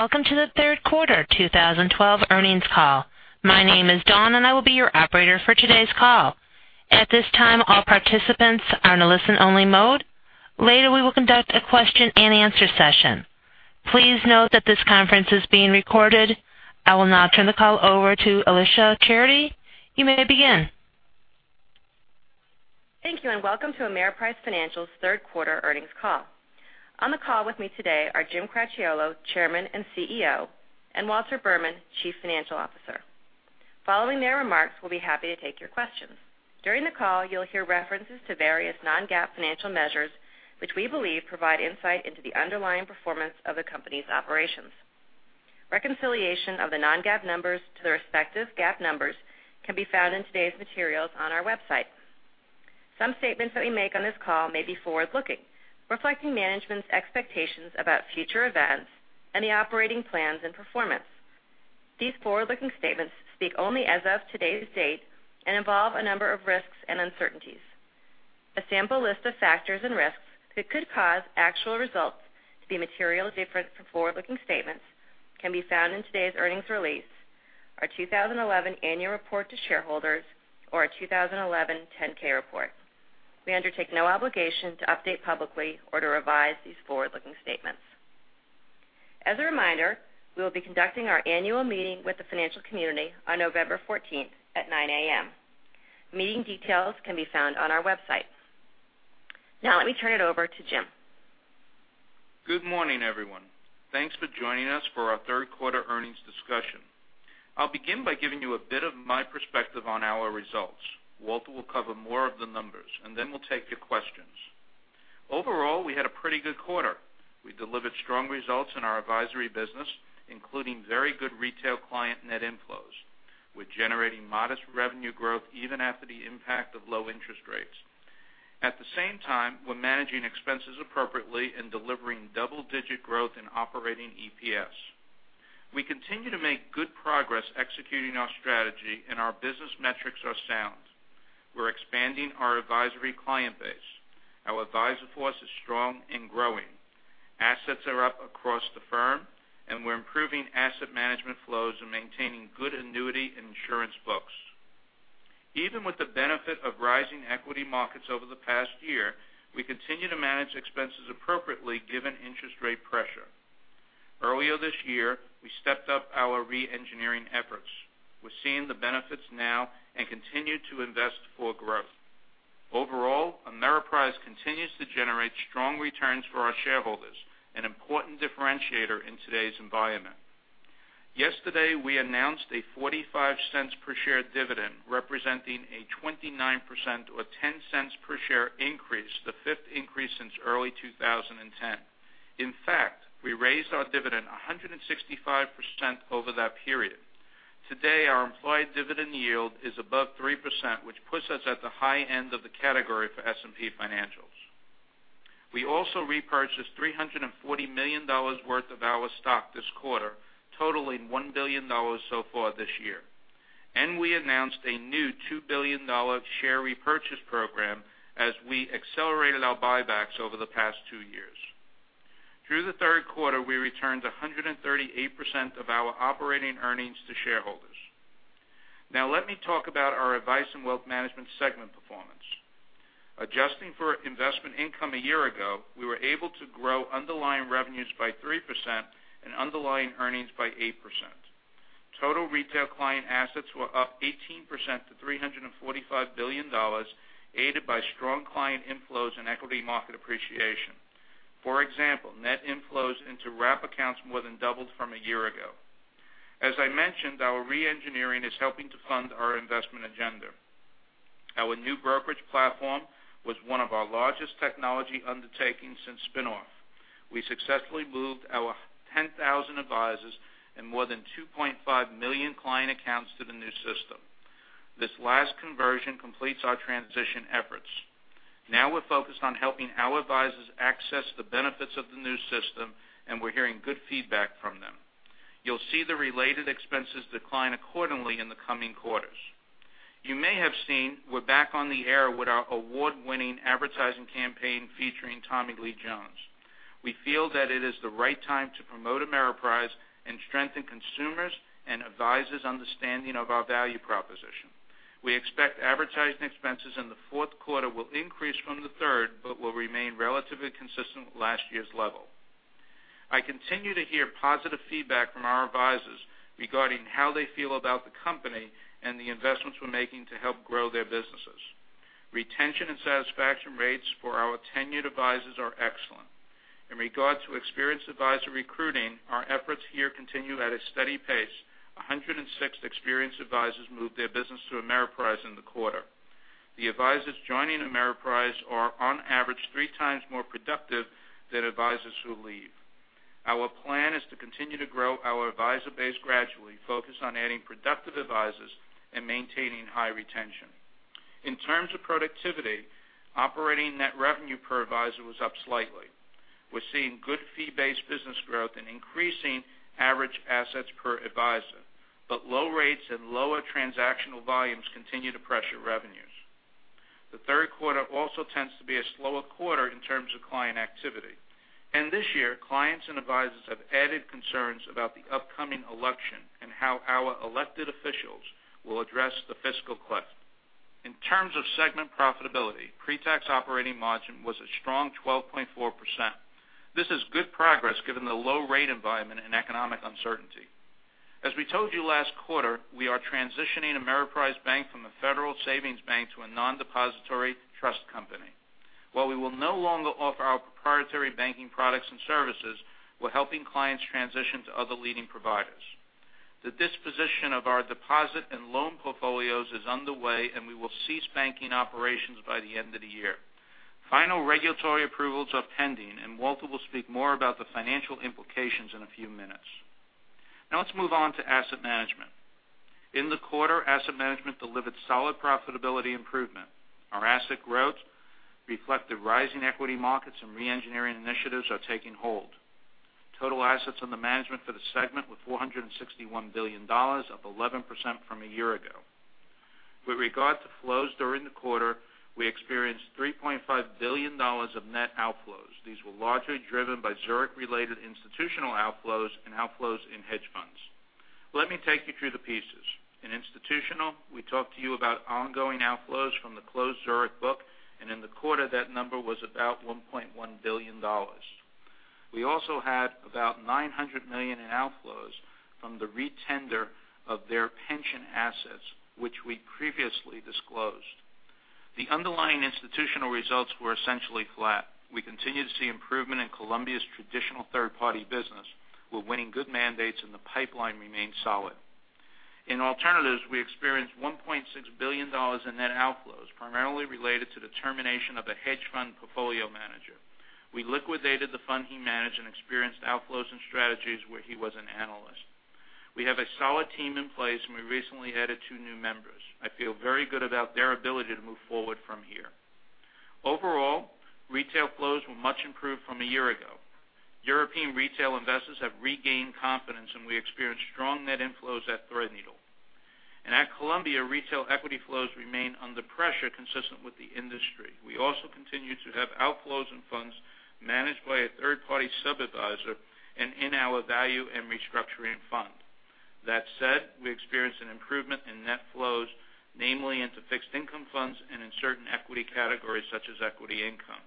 Welcome to the third quarter 2012 earnings call. My name is Dawn, and I will be your operator for today's call. At this time, all participants are in a listen-only mode. Later, we will conduct a question-and-answer session. Please note that this conference is being recorded. I will now turn the call over to Alicia Charity. You may begin. Thank you, welcome to Ameriprise Financial's third quarter earnings call. On the call with me today are Jim Cracchiolo, Chairman and CEO, and Walter Berman, Chief Financial Officer. Following their remarks, we'll be happy to take your questions. During the call, you'll hear references to various non-GAAP financial measures, which we believe provide insight into the underlying performance of the company's operations. Reconciliation of the non-GAAP numbers to their respective GAAP numbers can be found in today's materials on our website. Some statements that we make on this call may be forward-looking, reflecting management's expectations about future events and the operating plans and performance. These forward-looking statements speak only as of today's date and involve a number of risks and uncertainties. A sample list of factors and risks that could cause actual results to be materially different from forward-looking statements can be found in today's earnings release, our 2011 annual report to shareholders or our 2011 10-K report. We undertake no obligation to update publicly or to revise these forward-looking statements. As a reminder, we will be conducting our annual meeting with the financial community on November 14th at 9:00 A.M. Meeting details can be found on our website. Let me turn it over to Jim. Good morning, everyone. Thanks for joining us for our third quarter earnings discussion. I'll begin by giving you a bit of my perspective on our results. Walter will cover more of the numbers, then we'll take your questions. Overall, we had a pretty good quarter. We delivered strong results in our advisory business, including very good retail client net inflows. We're generating modest revenue growth even after the impact of low interest rates. At the same time, we're managing expenses appropriately and delivering double-digit growth in operating EPS. We continue to make good progress executing our strategy, our business metrics are sound. We're expanding our advisory client base. Our advisor force is strong and growing. Assets are up across the firm, we're improving asset management flows and maintaining good annuity and insurance books. Even with the benefit of rising equity markets over the past year, we continue to manage expenses appropriately given interest rate pressure. Earlier this year, we stepped up our re-engineering efforts. We're seeing the benefits now and continue to invest for growth. Overall, Ameriprise continues to generate strong returns for our shareholders, an important differentiator in today's environment. Yesterday, we announced a $0.45 per share dividend, representing a 29% or $0.10 per share increase, the fifth increase since early 2010. In fact, we raised our dividend 165% over that period. Today, our implied dividend yield is above 3%, which puts us at the high end of the category for S&P Financials. We also repurchased $340 million worth of our stock this quarter, totaling $1 billion so far this year. We announced a new $2 billion share repurchase program as we accelerated our buybacks over the past two years. Through the third quarter, we returned 138% of our operating earnings to shareholders. Let me talk about our Advice & Wealth Management segment performance. Adjusting for investment income a year ago, we were able to grow underlying revenues by 3% and underlying earnings by 8%. Total retail client assets were up 18% to $345 billion, aided by strong client inflows and equity market appreciation. For example, net inflows into wrap accounts more than doubled from a year ago. As I mentioned, our re-engineering is helping to fund our investment agenda. Our new brokerage platform was one of our largest technology undertakings since spin-off. We successfully moved our 10,000 advisors and more than 2.5 million client accounts to the new system. This last conversion completes our transition efforts. We're focused on helping our advisors access the benefits of the new system. We're hearing good feedback from them. You'll see the related expenses decline accordingly in the coming quarters. You may have seen we're back on the air with our award-winning advertising campaign featuring Tommy Lee Jones. We feel that it is the right time to promote Ameriprise and strengthen consumers' and advisors' understanding of our value proposition. We expect advertising expenses in the fourth quarter will increase from the third but will remain relatively consistent with last year's level. I continue to hear positive feedback from our advisors regarding how they feel about the company and the investments we're making to help grow their businesses. Retention and satisfaction rates for our tenured advisors are excellent. In regard to experienced advisor recruiting, our efforts here continue at a steady pace. 106 experienced advisors moved their business to Ameriprise in the quarter. The advisors joining Ameriprise are on average three times more productive than advisors who leave. Our plan is to continue to grow our advisor base gradually, focused on adding productive advisors and maintaining high retention. In terms of productivity, operating net revenue per advisor was up slightly. We're seeing good fee-based business growth and increasing average assets per advisor. Low rates and lower transactional volumes continue to pressure revenues. The third quarter also tends to be a slower quarter in terms of client activity. This year, clients and advisors have added concerns about the upcoming election and how our elected officials will address the fiscal cliff. In terms of segment profitability, pre-tax operating margin was a strong 12.4%. This is good progress given the low rate environment and economic uncertainty. As we told you last quarter, we are transitioning Ameriprise Bank from a federal savings bank to a non-depository trust company. While we will no longer offer our proprietary banking products and services, we're helping clients transition to other leading providers. The disposition of our deposit and loan portfolios is underway, and we will cease banking operations by the end of the year. Final regulatory approvals are pending, and Walter will speak more about the financial implications in a few minutes. Now let's move on to asset management. In the quarter, asset management delivered solid profitability improvement. Our asset growth reflected rising equity markets and re-engineering initiatives are taking hold. Total assets under management for the segment were $461 billion, up 11% from a year ago. With regard to flows during the quarter, we experienced $3.5 billion of net outflows. These were largely driven by Zurich-related institutional outflows and outflows in hedge funds. Let me take you through the pieces. In institutional, we talked to you about ongoing outflows from the closed Zurich book, and in the quarter, that number was about $1.1 billion. We also had about $900 million in outflows from the retender of their pension assets, which we previously disclosed. The underlying institutional results were essentially flat. We continue to see improvement in Columbia's traditional third-party business. We're winning good mandates, and the pipeline remains solid. In alternatives, we experienced $1.6 billion in net outflows, primarily related to the termination of a hedge fund portfolio manager. We liquidated the fund he managed and experienced outflows and strategies where he was an analyst. We have a solid team in place, and we recently added two new members. I feel very good about their ability to move forward from here. Overall, retail flows were much improved from a year ago. European retail investors have regained confidence, and we experienced strong net inflows at Threadneedle. At Columbia, retail equity flows remain under pressure consistent with the industry. We also continue to have outflows and funds managed by a third-party sub-adviser and in our Value and Restructuring Fund. That said, we experienced an improvement in net flows, namely into fixed income funds and in certain equity categories such as equity income.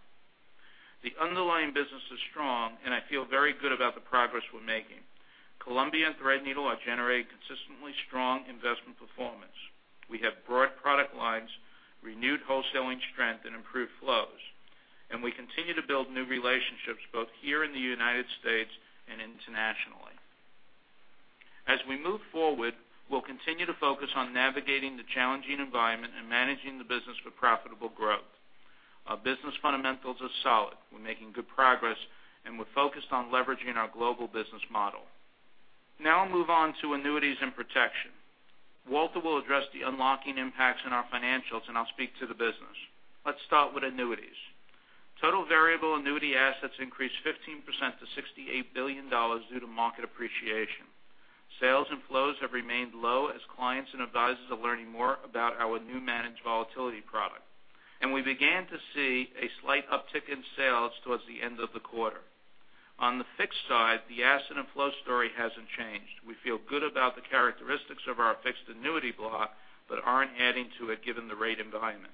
The underlying business is strong, and I feel very good about the progress we're making. Columbia and Threadneedle are generating consistently strong investment performance. We have broad product lines, renewed wholesaling strength, and improved flows. We continue to build new relationships both here in the United States and internationally. As we move forward, we'll continue to focus on navigating the challenging environment and managing the business for profitable growth. Our business fundamentals are solid. We're making good progress, and we're focused on leveraging our global business model. Now I'll move on to annuities and protection. Walter will address the unlocking impacts on our financials, and I'll speak to the business. Let's start with annuities. Total variable annuity assets increased 15% to $68 billion due to market appreciation. Sales and flows have remained low as clients and advisors are learning more about our new managed volatility product. We began to see a slight uptick in sales towards the end of the quarter. On the fixed side, the asset and flow story hasn't changed. We feel good about the characteristics of our fixed annuity block, but aren't adding to it given the rate environment.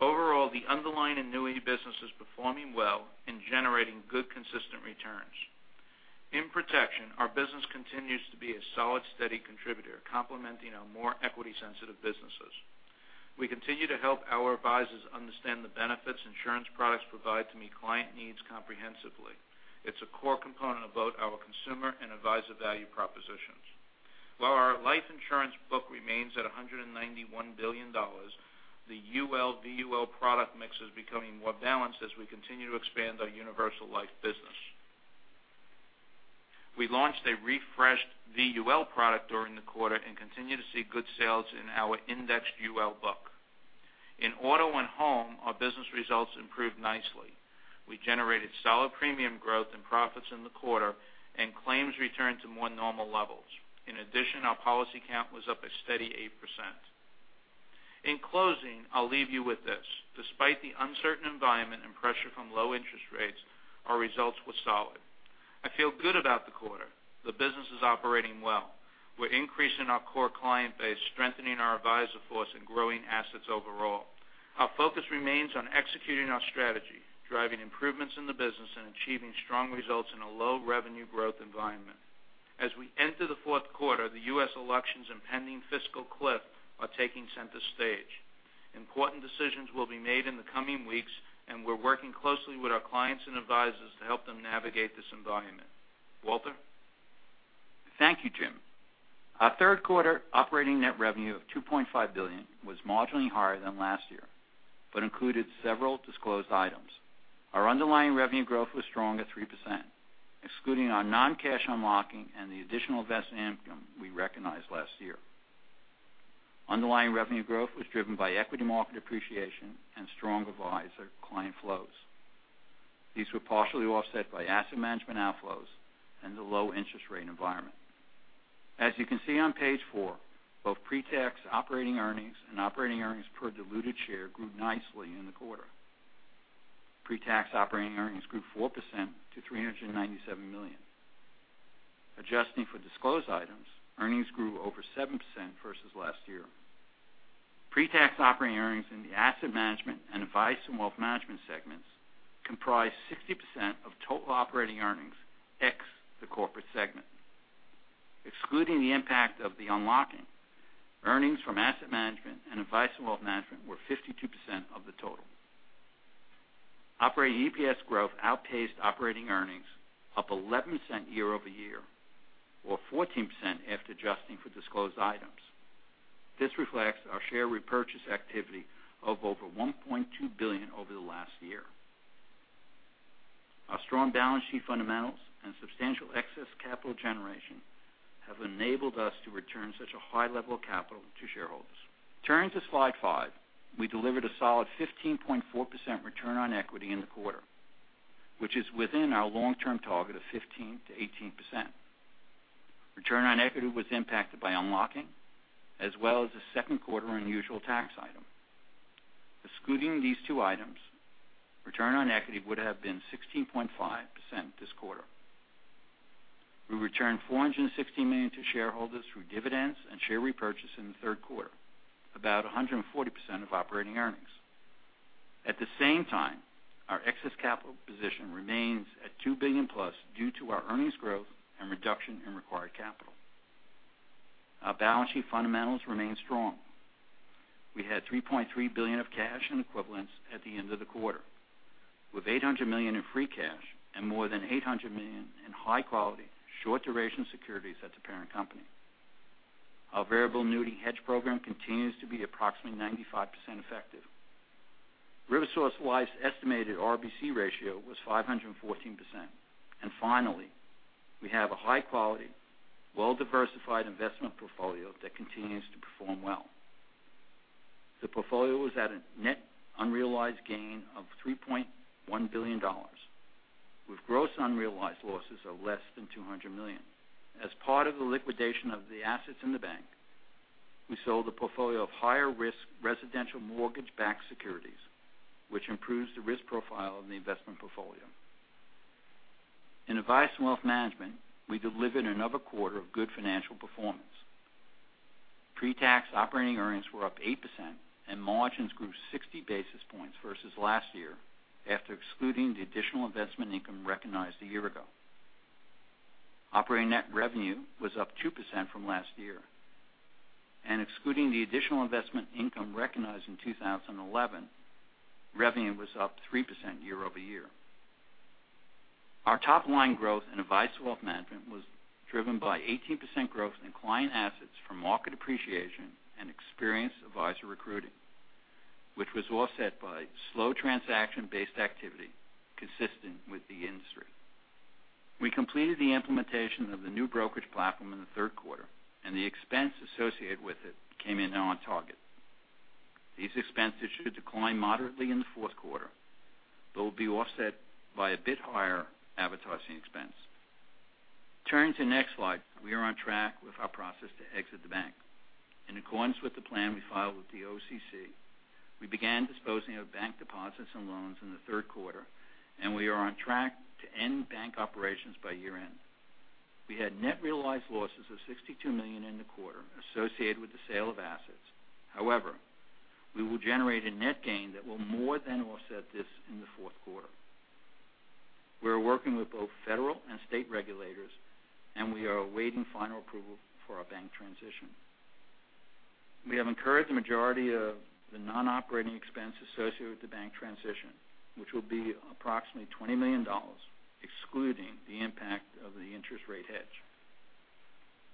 Overall, the underlying annuity business is performing well and generating good, consistent returns. In protection, our business continues to be a solid, steady contributor, complementing our more equity-sensitive businesses. We continue to help our advisors understand the benefits insurance products provide to meet client needs comprehensively. It is a core component of both our consumer and advisor value propositions. While our life insurance book remains at $191 billion, the UL/VUL product mix is becoming more balanced as we continue to expand our universal life business. We launched a refreshed VUL product during the quarter and continue to see good sales in our indexed UL book. In auto and home, our business results improved nicely. We generated solid premium growth and profits in the quarter and claims returned to more normal levels. In addition, our policy count was up a steady 8%. In closing, I will leave you with this. Despite the uncertain environment and pressure from low interest rates, our results were solid. I feel good about the quarter. The business is operating well. We are increasing our core client base, strengthening our advisor force, and growing assets overall. Our focus remains on executing our strategy, driving improvements in the business, and achieving strong results in a low revenue growth environment. As we enter the fourth quarter, the U.S. elections and pending fiscal cliff are taking center stage. Important decisions will be made in the coming weeks, and we are working closely with our clients and advisors to help them navigate this environment. Walter? Thank you, Jim. Our third quarter operating net revenue of $2.5 billion was marginally higher than last year, but included several disclosed items. Our underlying revenue growth was strong at 3%, excluding our non-cash unlocking and the additional investment income we recognized last year. Underlying revenue growth was driven by equity market appreciation and strong advisor client flows. These were partially offset by asset management outflows and the low interest rate environment. As you can see on Page four, both pre-tax operating earnings and operating earnings per diluted share grew nicely in the quarter. Pre-tax operating earnings grew 4% to $397 million. Adjusting for disclosed items, earnings grew over 7% versus last year. Pre-tax operating earnings in the Asset Management and Advice & Wealth Management segments comprised 60% of total operating earnings, ex the corporate segment. Excluding the impact of the unlocking, earnings from Asset Management and Advice & Wealth Management were 52% of the total. Operating EPS growth outpaced operating earnings, up $0.11 year-over-year, or 14% after adjusting for disclosed items. This reflects our share repurchase activity of over $1.2 billion over the last year. Our strong balance sheet fundamentals and substantial excess capital generation have enabled us to return such a high level of capital to shareholders. Turning to Slide five. We delivered a solid 15.4% return on equity in the quarter, which is within our long-term target of 15%-18%. Return on equity was impacted by unlocking as well as the second quarter unusual tax item. Excluding these two items, return on equity would have been 16.5% this quarter. We returned $460 million to shareholders through dividends and share repurchase in the third quarter, about 140% of operating earnings. At the same time, our excess capital position remains at $2 billion-plus due to our earnings growth and reduction in required capital. Our balance sheet fundamentals remain strong. We had $3.3 billion of cash and equivalents at the end of the quarter, with $800 million in free cash and more than $800 million in high quality, short duration securities at the parent company. Our variable annuity hedge program continues to be approximately 95% effective. RiverSource Life's estimated RBC ratio was 514%. Finally, we have a high quality, well-diversified investment portfolio that continues to perform well. The portfolio was at a net unrealized gain of $3.1 billion, with gross unrealized losses of less than $200 million. As part of the liquidation of the assets in the bank, we sold a portfolio of higher risk residential mortgage-backed securities, which improves the risk profile of the investment portfolio. In Advice & Wealth Management, we delivered another quarter of good financial performance. Pre-tax operating earnings were up 8% and margins grew 60 basis points versus last year after excluding the additional investment income recognized a year ago. Operating net revenue was up 2% from last year. Excluding the additional investment income recognized in 2011, revenue was up 3% year-over-year. Our top-line growth in Advice & Wealth Management was driven by 18% growth in client assets from market appreciation and experienced advisor recruiting, which was offset by slow transaction-based activity consistent with the industry. We completed the implementation of the new brokerage platform in the third quarter, and the expense associated with it came in on target. These expenses should decline moderately in the fourth quarter but will be offset by a bit higher advertising expense. Turning to next slide. We are on track with our process to exit the bank. In accordance with the plan we filed with the OCC, we began disposing of bank deposits and loans in the third quarter, and we are on track to end bank operations by year-end. We had net realized losses of $62 million in the quarter associated with the sale of assets. However, we will generate a net gain that will more than offset this in the fourth quarter. We are working with both federal and state regulators, and we are awaiting final approval for our bank transition. We have incurred the majority of the non-operating expense associated with the bank transition, which will be approximately $20 million, excluding the impact of the interest rate hedge.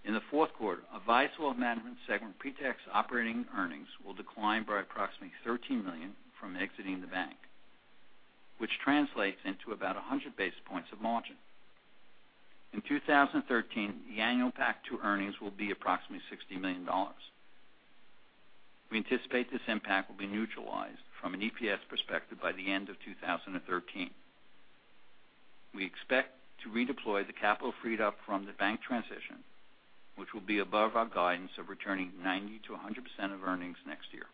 In the fourth quarter, Advice & Wealth Management segment pre-tax operating earnings will decline by approximately $13 million from exiting the bank, which translates into about 100 basis points of margin. In 2013, the annual impact to earnings will be approximately $60 million. We anticipate this impact will be neutralized from an EPS perspective by the end of 2013. We expect to redeploy the capital freed up from the bank transition, which will be above our guidance of returning 90%-100% of earnings next year.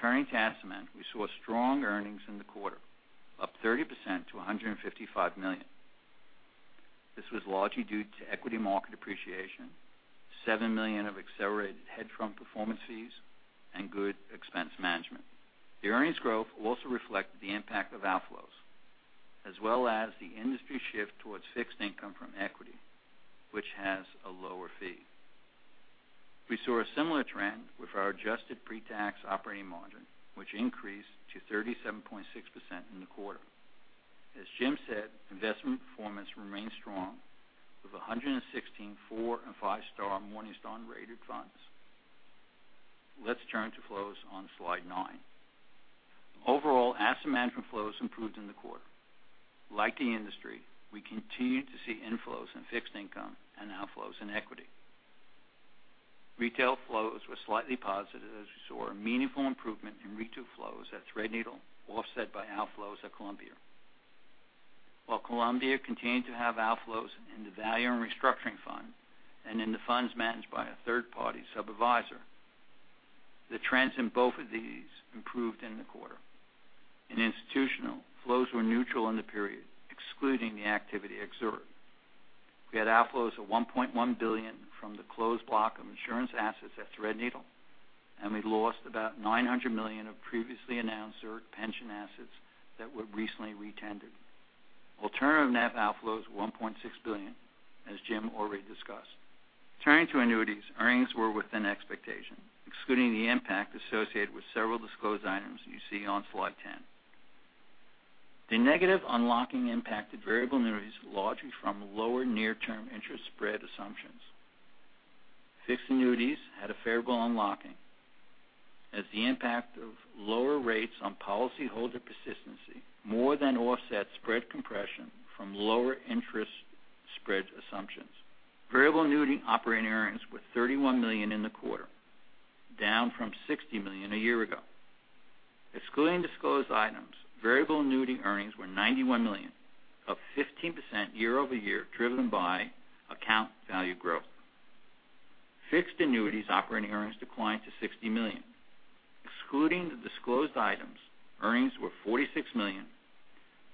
Turning to Asset Management. We saw strong earnings in the quarter, up 30% to $155 million. This was largely due to equity market appreciation, $7 million of accelerated hedge fund performance fees, and good expense management. The earnings growth also reflect the impact of outflows, as well as the industry shift towards fixed income from equity, which has a lower fee. We saw a similar trend with our adjusted pre-tax operating margin, which increased to 37.6% in the quarter. As Jim said, investment performance remained strong with 116 four and five-star Morningstar-rated funds. Let's turn to flows on Slide 9. Overall, asset management flows improved in the quarter. Like the industry, we continue to see inflows in fixed income and outflows in equity. Retail flows were slightly positive as we saw a meaningful improvement in retail flows at Threadneedle, offset by outflows at Columbia. While Columbia continued to have outflows in the Value and Restructuring Fund and in the funds managed by a third-party sub-adviser, the trends in both of these improved in the quarter. In institutional, flows were neutral in the period, excluding the activity at Zurich. We had outflows of $1.1 billion from the closed block of insurance assets at Threadneedle, and we lost about $900 million of previously announced Zurich pension assets that were recently retendered. Alternative net outflows were $1.6 billion, as Jim already discussed. Turning to annuities, earnings were within expectation, excluding the impact associated with several disclosed items you see on Slide 10. The negative unlocking impacted variable annuities largely from lower near-term interest spread assumptions. Fixed annuities had a favorable unlocking, as the impact of lower rates on policyholder persistency more than offset spread compression from lower interest spread assumptions. Variable annuity operating earnings were $31 million in the quarter, down from $60 million a year ago. Excluding disclosed items, variable annuity earnings were $91 million of 15% year-over-year, driven by account value growth. Fixed annuities operating earnings declined to $60 million. Excluding the disclosed items, earnings were $46 million,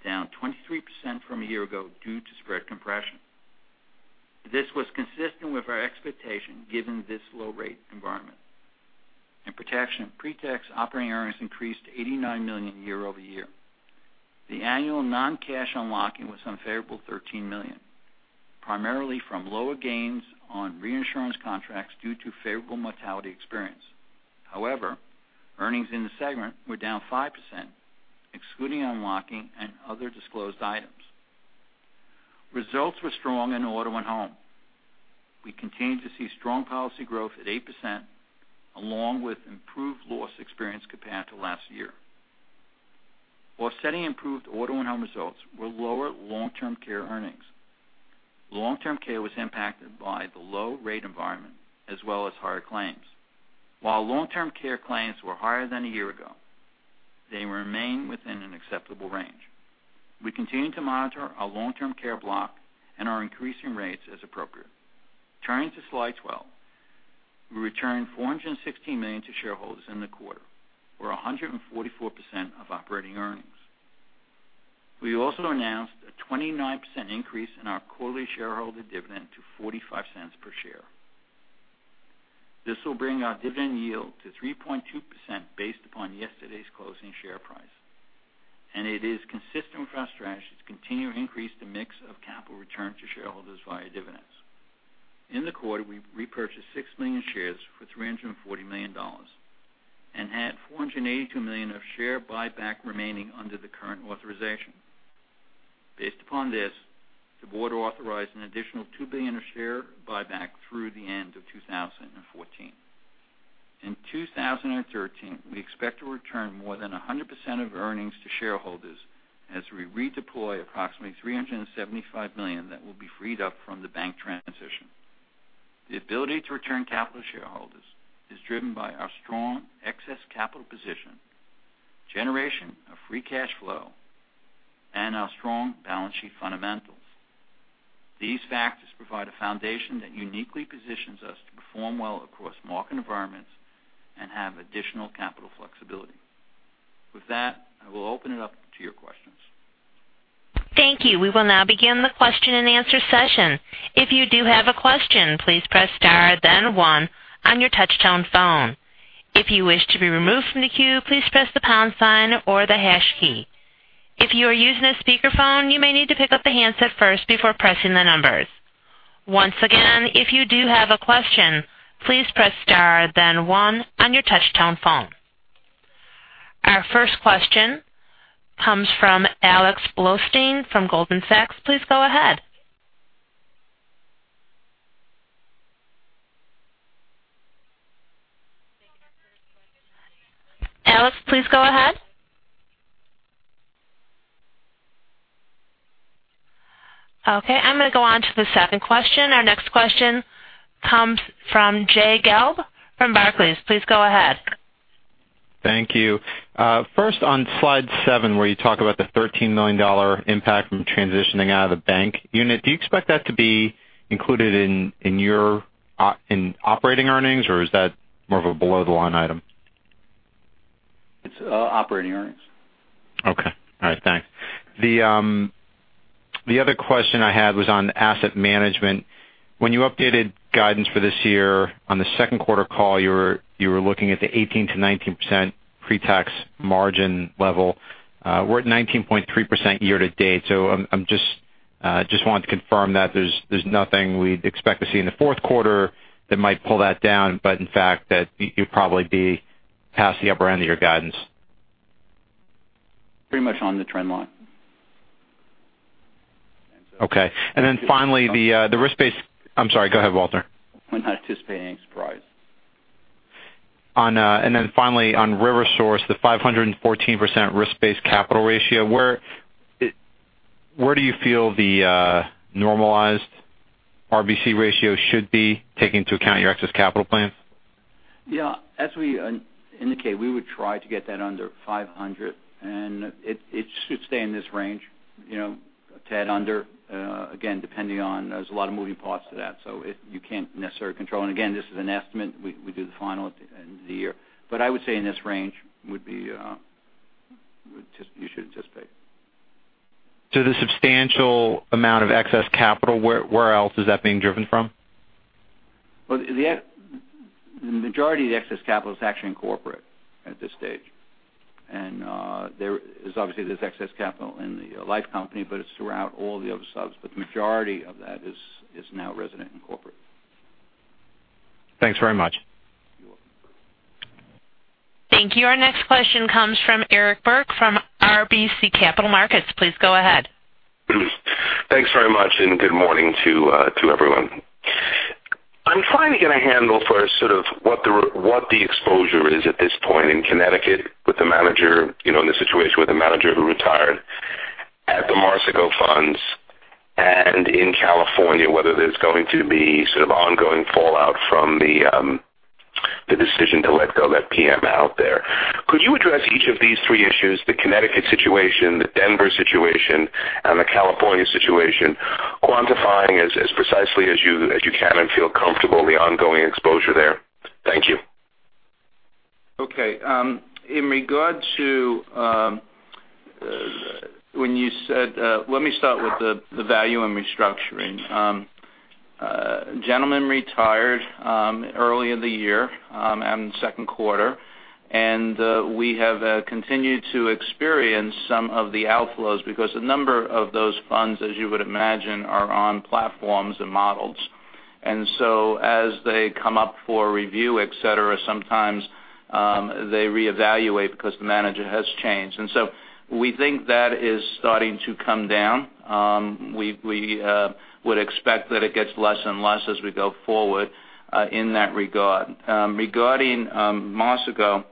down 23% from a year ago due to spread compression. This was consistent with our expectation given this low rate environment. In protection, pre-tax operating earnings increased to $89 million year-over-year. The annual non-cash unlocking was unfavorable $13 million, primarily from lower gains on reinsurance contracts due to favorable mortality experience. However, earnings in the segment were down 5%, excluding unlocking and other disclosed items. Results were strong in auto and home. We continued to see strong policy growth at 8%, along with improved loss experience compared to last year. Offsetting improved auto and home results were lower long-term care earnings. Long-term care was impacted by the low rate environment as well as higher claims. While long-term care claims were higher than a year ago, they remain within an acceptable range. We continue to monitor our long-term care block and are increasing rates as appropriate. Turning to Slide 12. We returned $460 million to shareholders in the quarter, or 144% of operating earnings. We also announced a 29% increase in our quarterly shareholder dividend to $0.45 per share. This will bring our dividend yield to 3.2% based upon yesterday's closing share price, and it is consistent with our strategy to continue to increase the mix of capital return to shareholders via dividends. In the quarter, we repurchased 6 million shares for $340 million and had $482 million of share buyback remaining under the current authorization. Based upon this, the board authorized an additional $2 billion of share buyback through the end of 2014. In 2013, we expect to return more than 100% of earnings to shareholders as we redeploy approximately $375 million that will be freed up from the bank transition. The ability to return capital to shareholders is driven by our strong excess capital position, generation of free cash flow, and our strong balance sheet fundamentals. These factors provide a foundation that uniquely positions us to perform well across market environments and have additional capital flexibility. With that, I will open it up to your questions. Thank you. We will now begin the question and answer session. If you do have a question, please press star then one on your touchtone phone. If you wish to be removed from the queue, please press the pound sign or the hash key. If you are using a speakerphone, you may need to pick up the handset first before pressing the numbers. Once again, if you do have a question, please press star then one on your touchtone phone. Our first question comes from Alex Blostein from Goldman Sachs. Please go ahead. Alex, please go ahead. Okay, I'm going to go on to the second question. Our next question comes from Jay Gelb from Barclays. Please go ahead. Thank you. First, on slide seven, where you talk about the $13 million impact from transitioning out of the bank unit, do you expect that to be included in operating earnings, or is that more of a below the line item? It's operating earnings. Okay. All right. Thanks. The other question I had was on asset management. When you updated guidance for this year on the second quarter call, you were looking at the 18%-19% pre-tax margin level. We're at 19.3% year to date, I just want to confirm that there's nothing we'd expect to see in the fourth quarter that might pull that down, but in fact, that you'd probably be past the upper end of your guidance. Pretty much on the trend line. Okay. Finally, I'm sorry, go ahead, Walter. We're not anticipating any surprise. Finally on RiverSource, the 514% risk-based capital ratio, where do you feel the normalized RBC ratio should be, taking into account your excess capital plans? Yeah. As we indicate, we would try to get that under 500, it should stay in this range, a tad under. Again, depending on, there's a lot of moving parts to that, so you can't necessarily control. Again, this is an estimate. We do the final at the end of the year. I would say in this range you should anticipate. The substantial amount of excess capital, where else is that being driven from? Well, the majority of the excess capital is actually in corporate at this stage. There is obviously this excess capital in the life company, but it's throughout all the other subs, the majority of that is now resident in corporate. Thanks very much. You're welcome. Thank you. Our next question comes from Eric Berg from RBC Capital Markets. Please go ahead. Thanks very much, good morning to everyone. I'm finally getting a handle for sort of what the exposure is at this point in Connecticut with the manager, in the situation with the manager who retired. At the Marsico funds and in California, whether there's going to be sort of ongoing fallout from the decision to let go of that PM out there. Could you address each of these three issues, the Connecticut situation, the Denver situation, and the California situation, quantifying as precisely as you can and feel comfortable the ongoing exposure there? Thank you. Okay. In regard to when you said Let me start with the Value and Restructuring. Gentleman retired early in the year, end of second quarter, and we have continued to experience some of the outflows because a number of those funds, as you would imagine, are on platforms and models. As they come up for review, et cetera, sometimes they reevaluate because the manager has changed. We think that is starting to come down. We would expect that it gets less and less as we go forward in that regard. Regarding Marsico,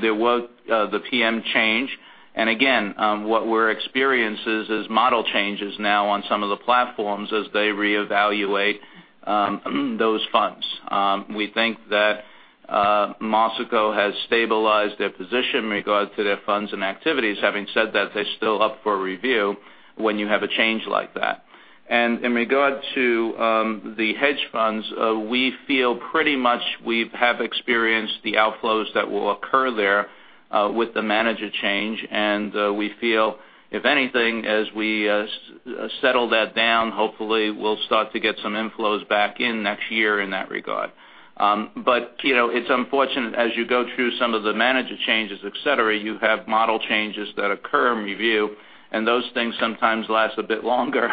there was the PM change. Again, what we're experiencing is model changes now on some of the platforms as they reevaluate those funds. We think that Marsico has stabilized their position in regard to their funds and activities. Having said that, they're still up for review when you have a change like that. In regard to the hedge funds, we feel pretty much we have experienced the outflows that will occur there with the manager change. We feel, if anything, as we settle that down, hopefully we'll start to get some inflows back in next year in that regard. It's unfortunate as you go through some of the manager changes, et cetera, you have model changes that occur in review, and those things sometimes last a bit longer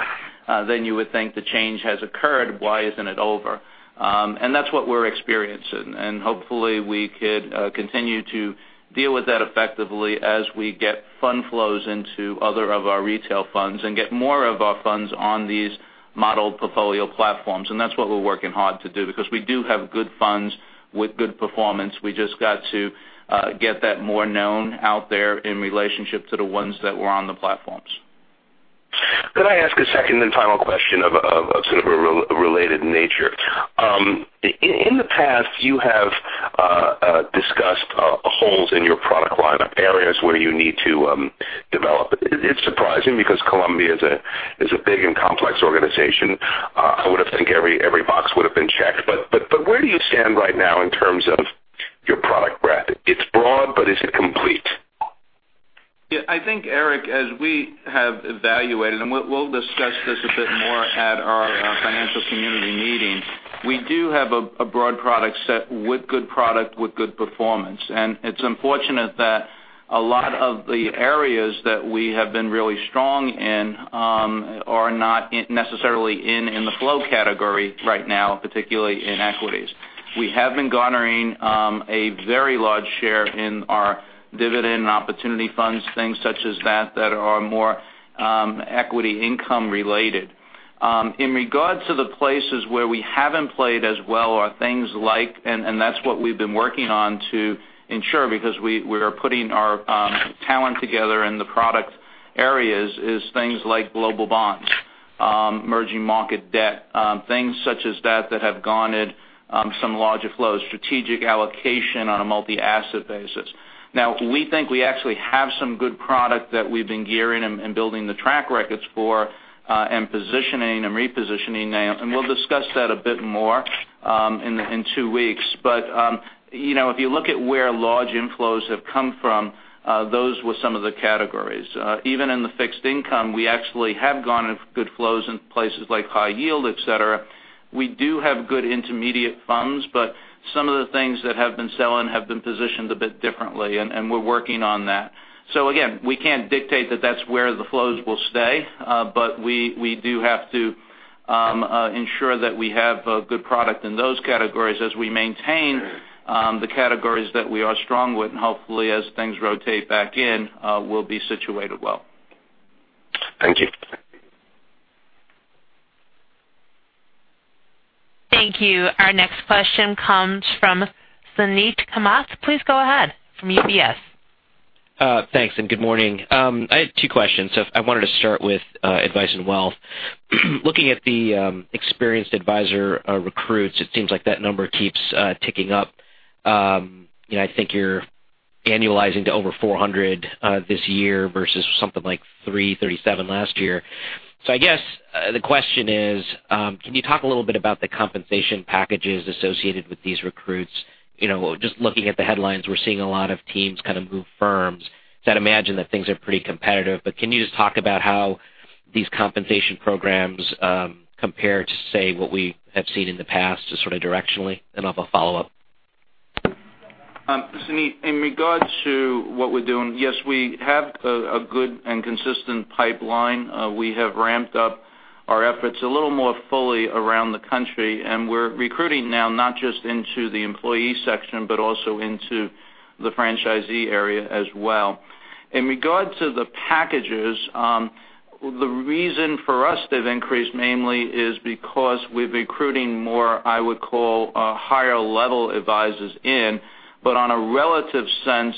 than you would think the change has occurred, why isn't it over? That's what we're experiencing. Hopefully we could continue to deal with that effectively as we get fund flows into other of our retail funds and get more of our funds on these model portfolio platforms. That's what we're working hard to do because we do have good funds with good performance. We just got to get that more known out there in relationship to the ones that were on the platforms. Could I ask a second and final question of sort of a related nature? In the past you have discussed holes in your product lineup, areas where you need to develop. It's surprising because Columbia is a big and complex organization. I would have think every box would've been checked. Where do you stand right now in terms of your product breadth? It's broad, but is it complete? Eric, as we have evaluated, we'll discuss this a bit more at our financial community meeting, we do have a broad product set with good product, with good performance. It's unfortunate that a lot of the areas that we have been really strong in are not necessarily in the flow category right now, particularly in equities. We have been garnering a very large share in our dividend and opportunity funds, things such as that are more equity income related. In regard to the places where we haven't played as well are things like, and that's what we've been working on to ensure because we are putting our talent together in the product areas, is things like global bonds, emerging market debt, things such as that have garnered some larger flows, strategic allocation on a multi-asset basis. Now we think we actually have some good product that we've been gearing and building the track records for, and positioning and repositioning now. We'll discuss that a bit more in two weeks. If you look at where large inflows have come from, those were some of the categories. Even in the fixed income, we actually have garnered good flows in places like high yield, et cetera. We do have good intermediate funds, but some of the things that have been selling have been positioned a bit differently, and we're working on that. Again, we can't dictate that that's where the flows will stay. We do have to ensure that we have a good product in those categories as we maintain the categories that we are strong with and hopefully as things rotate back in, we'll be situated well. Thank you. Thank you. Our next question comes from Suneet Kamath. Please go ahead from UBS. Thanks, good morning. I had two questions. I wanted to start with Advice & Wealth. Looking at the experienced advisor recruits, it seems like that number keeps ticking up. I think you're annualizing to over 400 this year versus something like 337 last year. I guess the question is, can you talk a little bit about the compensation packages associated with these recruits? Just looking at the headlines, we're seeing a lot of teams move firms. I'd imagine that things are pretty competitive, but can you just talk about how these compensation programs compare to, say, what we have seen in the past just sort of directionally? I'll have a follow-up. Suneet, in regards to what we're doing, yes, we have a good and consistent pipeline. We have ramped up our efforts a little more fully around the country, and we're recruiting now, not just into the employee section, but also into the franchisee area as well. In regards to the packages, the reason for us they've increased mainly is because we're recruiting more, I would call, higher-level advisors in. On a relative sense,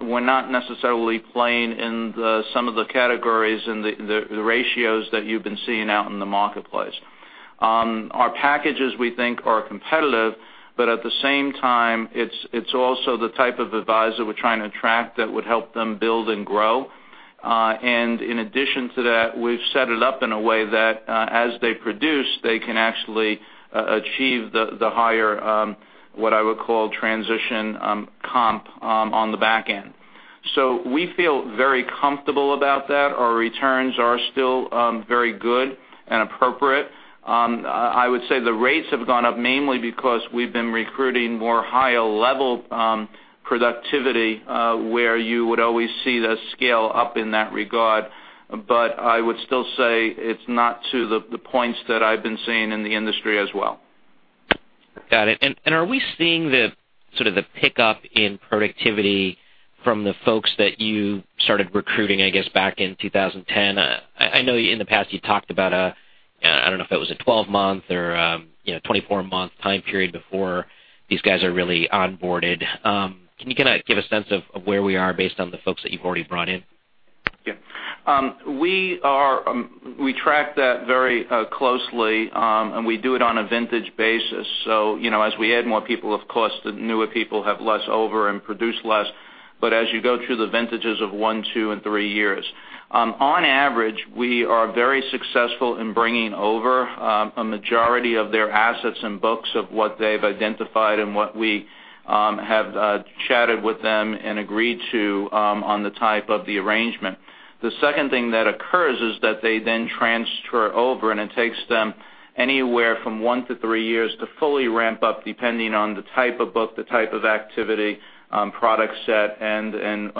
we're not necessarily playing in some of the categories and the ratios that you've been seeing out in the marketplace. Our packages, we think, are competitive, but at the same time, it's also the type of advisor we're trying to attract that would help them build and grow. In addition to that, we've set it up in a way that as they produce, they can actually achieve the higher what I would call transition comp on the back end. We feel very comfortable about that. Our returns are still very good and appropriate. I would say the rates have gone up mainly because we've been recruiting more higher-level productivity where you would always see the scale up in that regard. I would still say it's not to the points that I've been seeing in the industry as well. Got it. Are we seeing the sort of the pickup in productivity from the folks that you started recruiting, I guess, back in 2010? I know in the past you talked about a, I don't know if it was a 12-month or 24-month time period before these guys are really onboarded. Can you give a sense of where we are based on the folks that you've already brought in? Yeah. We track that very closely, and we do it on a vintage basis. As we add more people, of course, the newer people have less over and produce less, but as you go through the vintages of one, two, and three years. On average, we are very successful in bringing over a majority of their assets and books of what they've identified and what we have chatted with them and agreed to on the type of the arrangement. The second thing that occurs is that they then transfer over, and it takes them anywhere from one to three years to fully ramp up, depending on the type of book, the type of activity, product set, and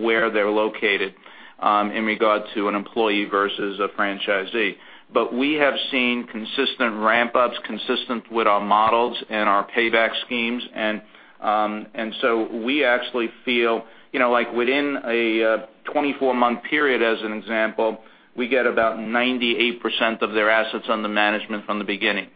where they're located in regard to an employee versus a franchisee. We have seen consistent ramp-ups consistent with our models and our payback schemes. We actually feel like within a 24-month period, as an example, we get about 98% of their assets under management from the beginning.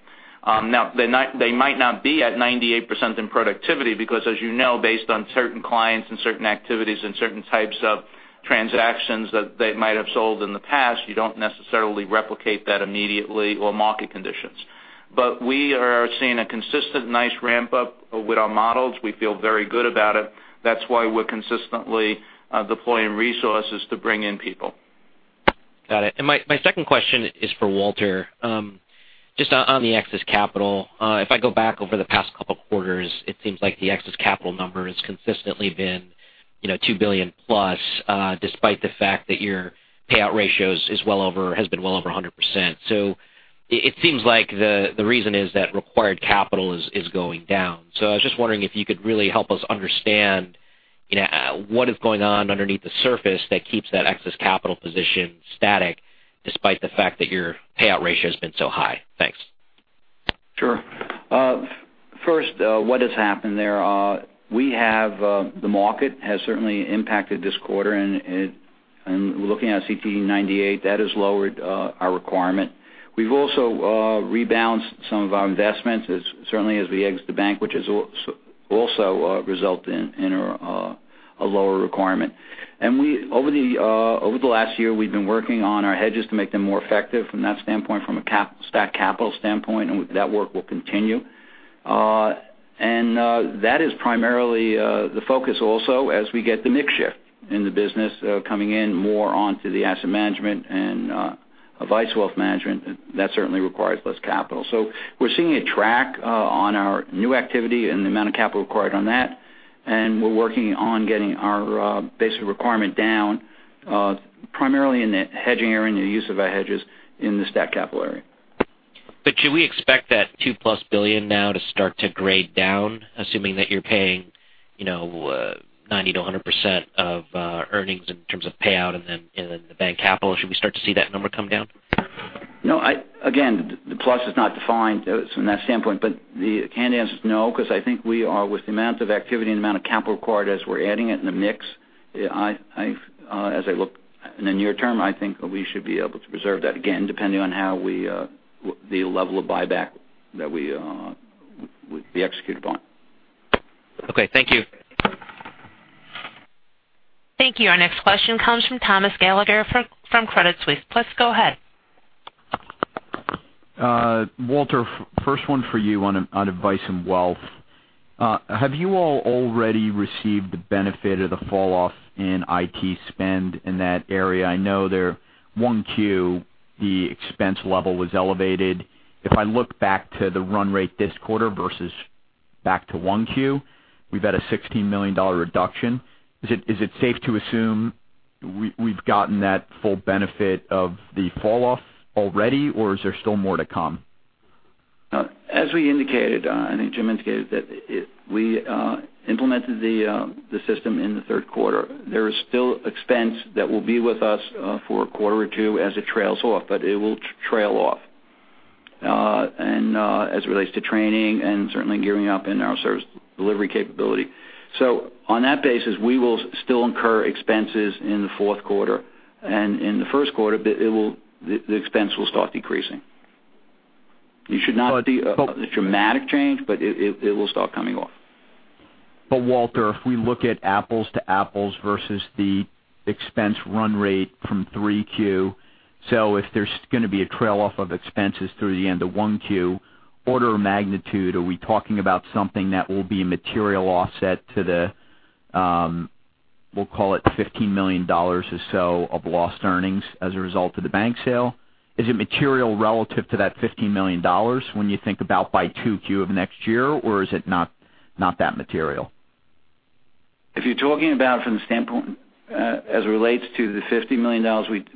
Now, they might not be at 98% in productivity because, as you know, based on certain clients and certain activities and certain types of transactions that they might have sold in the past, you don't necessarily replicate that immediately or market conditions. We are seeing a consistent, nice ramp-up with our models. We feel very good about it. That's why we're consistently deploying resources to bring in people. Got it. My second question is for Walter. Just on the excess capital. If I go back over the past couple of quarters, it seems like the excess capital number has consistently been $2 billion-plus, despite the fact that your payout ratio has been well over 100%. It seems like the reason is that required capital is going down. I was just wondering if you could really help us understand what is going on underneath the surface that keeps that excess capital position static despite the fact that your payout ratio has been so high. Thanks. Sure. First, what has happened there, the market has certainly impacted this quarter, and looking at CTE98, that has lowered our requirement. We've also rebalanced some of our investments certainly as we exit the bank, which has also resulted in a lower requirement. Over the last year, we've been working on our hedges to make them more effective from that standpoint, from a statutory capital standpoint, and that work will continue. That is primarily the focus also as we get the mix shift in the business coming in more onto the asset management and Advice & Wealth Management. That certainly requires less capital. We're seeing a track on our new activity and the amount of capital required on that, and we're working on getting our basic requirement down primarily in the hedging area and the use of our hedges in the statutory capital area. Should we expect that $2+ billion now to start to grade down, assuming that you're paying 90%-100% of earnings in terms of payout and then the bank capital? Should we start to see that number come down? No. The plus is not defined from that standpoint, the canned answer is no because I think with the amount of activity and the amount of capital required as we're adding it in the mix, I look in the near term, I think we should be able to preserve that again, depending on the level of buyback that we execute on. Thank you. Thank you. Our next question comes from Thomas Gallagher from Credit Suisse. Please go ahead. Walter, first one for you on Advice & Wealth Management. Have you all already received the benefit of the fall off in IT spend in that area? I know their 1Q, the expense level was elevated. If I look back to the run rate this quarter versus back to 1Q, we've had a $16 million reduction. Is it safe to assume we've gotten that full benefit of the fall off already, or is there still more to come? As we indicated, I think Jim indicated, that we implemented the system in the third quarter. There is still expense that will be with us for a quarter or two as it trails off, but it will trail off. As it relates to training and certainly gearing up in our service delivery capability. On that basis, we will still incur expenses in the fourth quarter. In the first quarter, the expense will start decreasing. It should not be a dramatic change, but it will start coming off. Walter, if we look at apples to apples versus the expense run rate from 3Q, if there's going to be a trail off of expenses through the end of 1Q, order of magnitude, are we talking about something that will be a material offset to the, we'll call it $15 million or so of lost earnings as a result of the bank sale? Is it material relative to that $15 million when you think about by 2Q of next year, or is it not that material? If you're talking about from the standpoint as it relates to the $50 million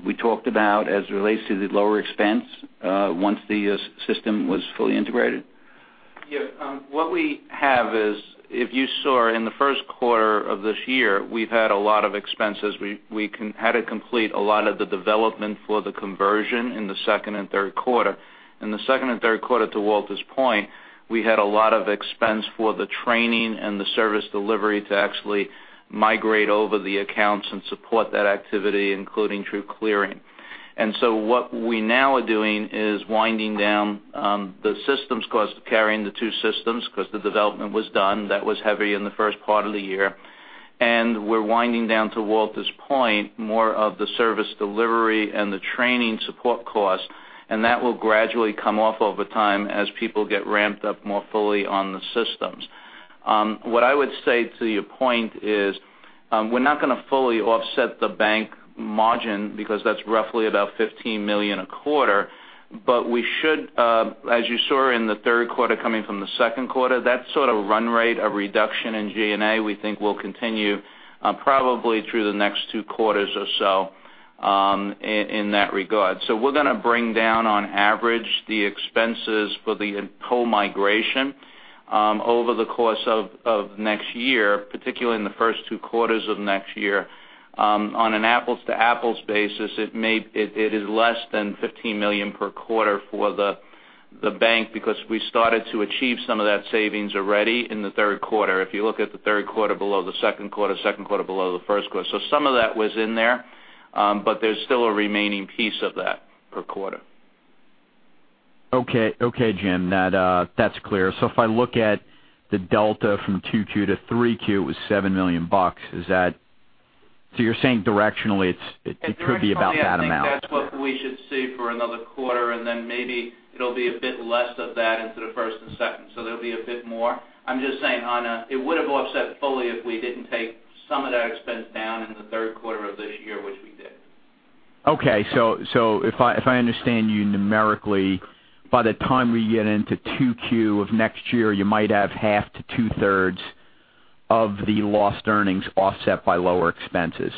we talked about as it relates to the lower expense once the system was fully integrated? Yes. What we have is, if you saw in the first quarter of this year, we've had a lot of expenses. We had to complete a lot of the development for the conversion in the second and third quarter. In the second and third quarter, to Walter's point, we had a lot of expense for the training and the service delivery to actually migrate over the accounts and support that activity, including through clearing. What we now are doing is winding down the systems cost of carrying the two systems because the development was done. That was heavy in the first part of the year. We're winding down, to Walter's point, more of the service delivery and the training support cost, and that will gradually come off over time as people get ramped up more fully on the systems. What I would say to your point is, we're not going to fully offset the bank margin because that's roughly about $15 million a quarter. We should, as you saw in the third quarter coming from the second quarter, that sort of run rate of reduction in G&A, we think will continue probably through the next 2 quarters or so in that regard. We're going to bring down, on average, the expenses for the whole migration over the course of next year, particularly in the first 2 quarters of next year. On an apples-to-apples basis, it is less than $15 million per quarter for the bank because we started to achieve some of that savings already in the third quarter. If you look at the third quarter below the second quarter, second quarter below the first quarter. Some of that was in there, but there's still a remaining piece of that per quarter. Okay, Jim. That's clear. If I look at the delta from 2Q to 3Q, it was $7 million. You're saying directionally, it could be about that amount. Directionally, I think that's what we should see for another quarter, and then maybe it'll be a bit less of that into the first and second. There'll be a bit more. I'm just saying it would have offset fully if we didn't take some of that expense down in the third quarter of this year, which we did. Okay. If I understand you numerically, by the time we get into 2Q of next year, you might have half to two-thirds of the lost earnings offset by lower expenses.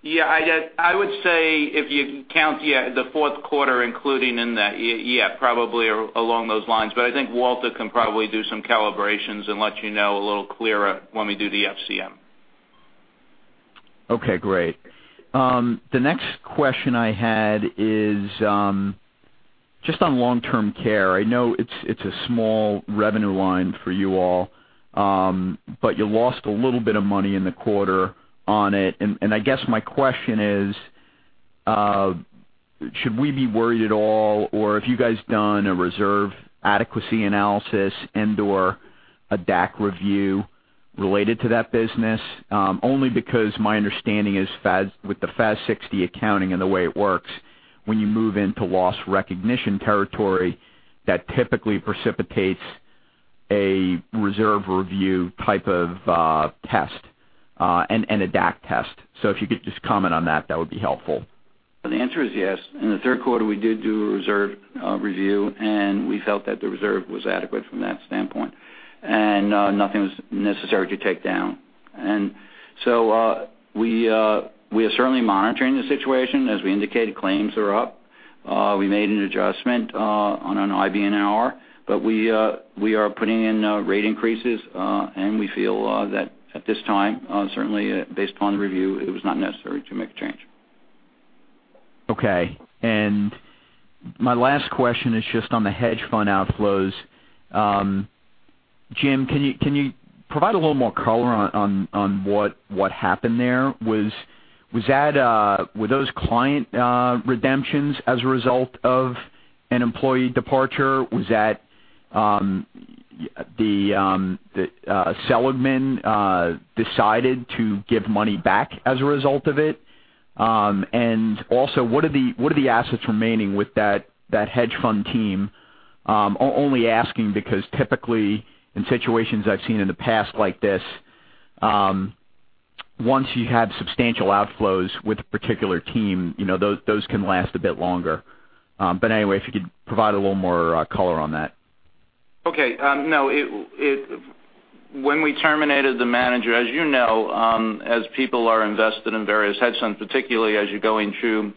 Yeah. I would say if you count the fourth quarter including in that, yeah, probably along those lines. I think Walter can probably do some calibrations and let you know a little clearer when we do the FCM. Okay, great. The next question I had is just on long-term care. I know it's a small revenue line for you all, but you lost a little bit of money in the quarter on it. I guess my question is, should we be worried at all, or have you guys done a reserve adequacy analysis and/or a DAC review related to that business? Only because my understanding is with the FAS 60 accounting and the way it works, when you move into loss recognition territory, that typically precipitates a reserve review type of test, and a DAC test. If you could just comment on that would be helpful. The answer is yes. In the third quarter, we did do a reserve review, and we felt that the reserve was adequate from that standpoint. Nothing was necessary to take down. We are certainly monitoring the situation. As we indicated, claims are up. We made an adjustment on an IBNR. We are putting in rate increases, and we feel that at this time, certainly based upon the review, it was not necessary to make a change. Okay. My last question is just on the hedge fund outflows. Jim, can you provide a little more color on what happened there? Were those client redemptions as a result of an employee departure? Was that Seligman decided to give money back as a result of it? Also what are the assets remaining with that hedge fund team? Only asking because typically in situations I've seen in the past like this, once you have substantial outflows with a particular team, those can last a bit longer. Anyway, if you could provide a little more color on that. Okay. No, when we terminated the manager, as you know, as people are invested in various hedge funds, particularly as you're going through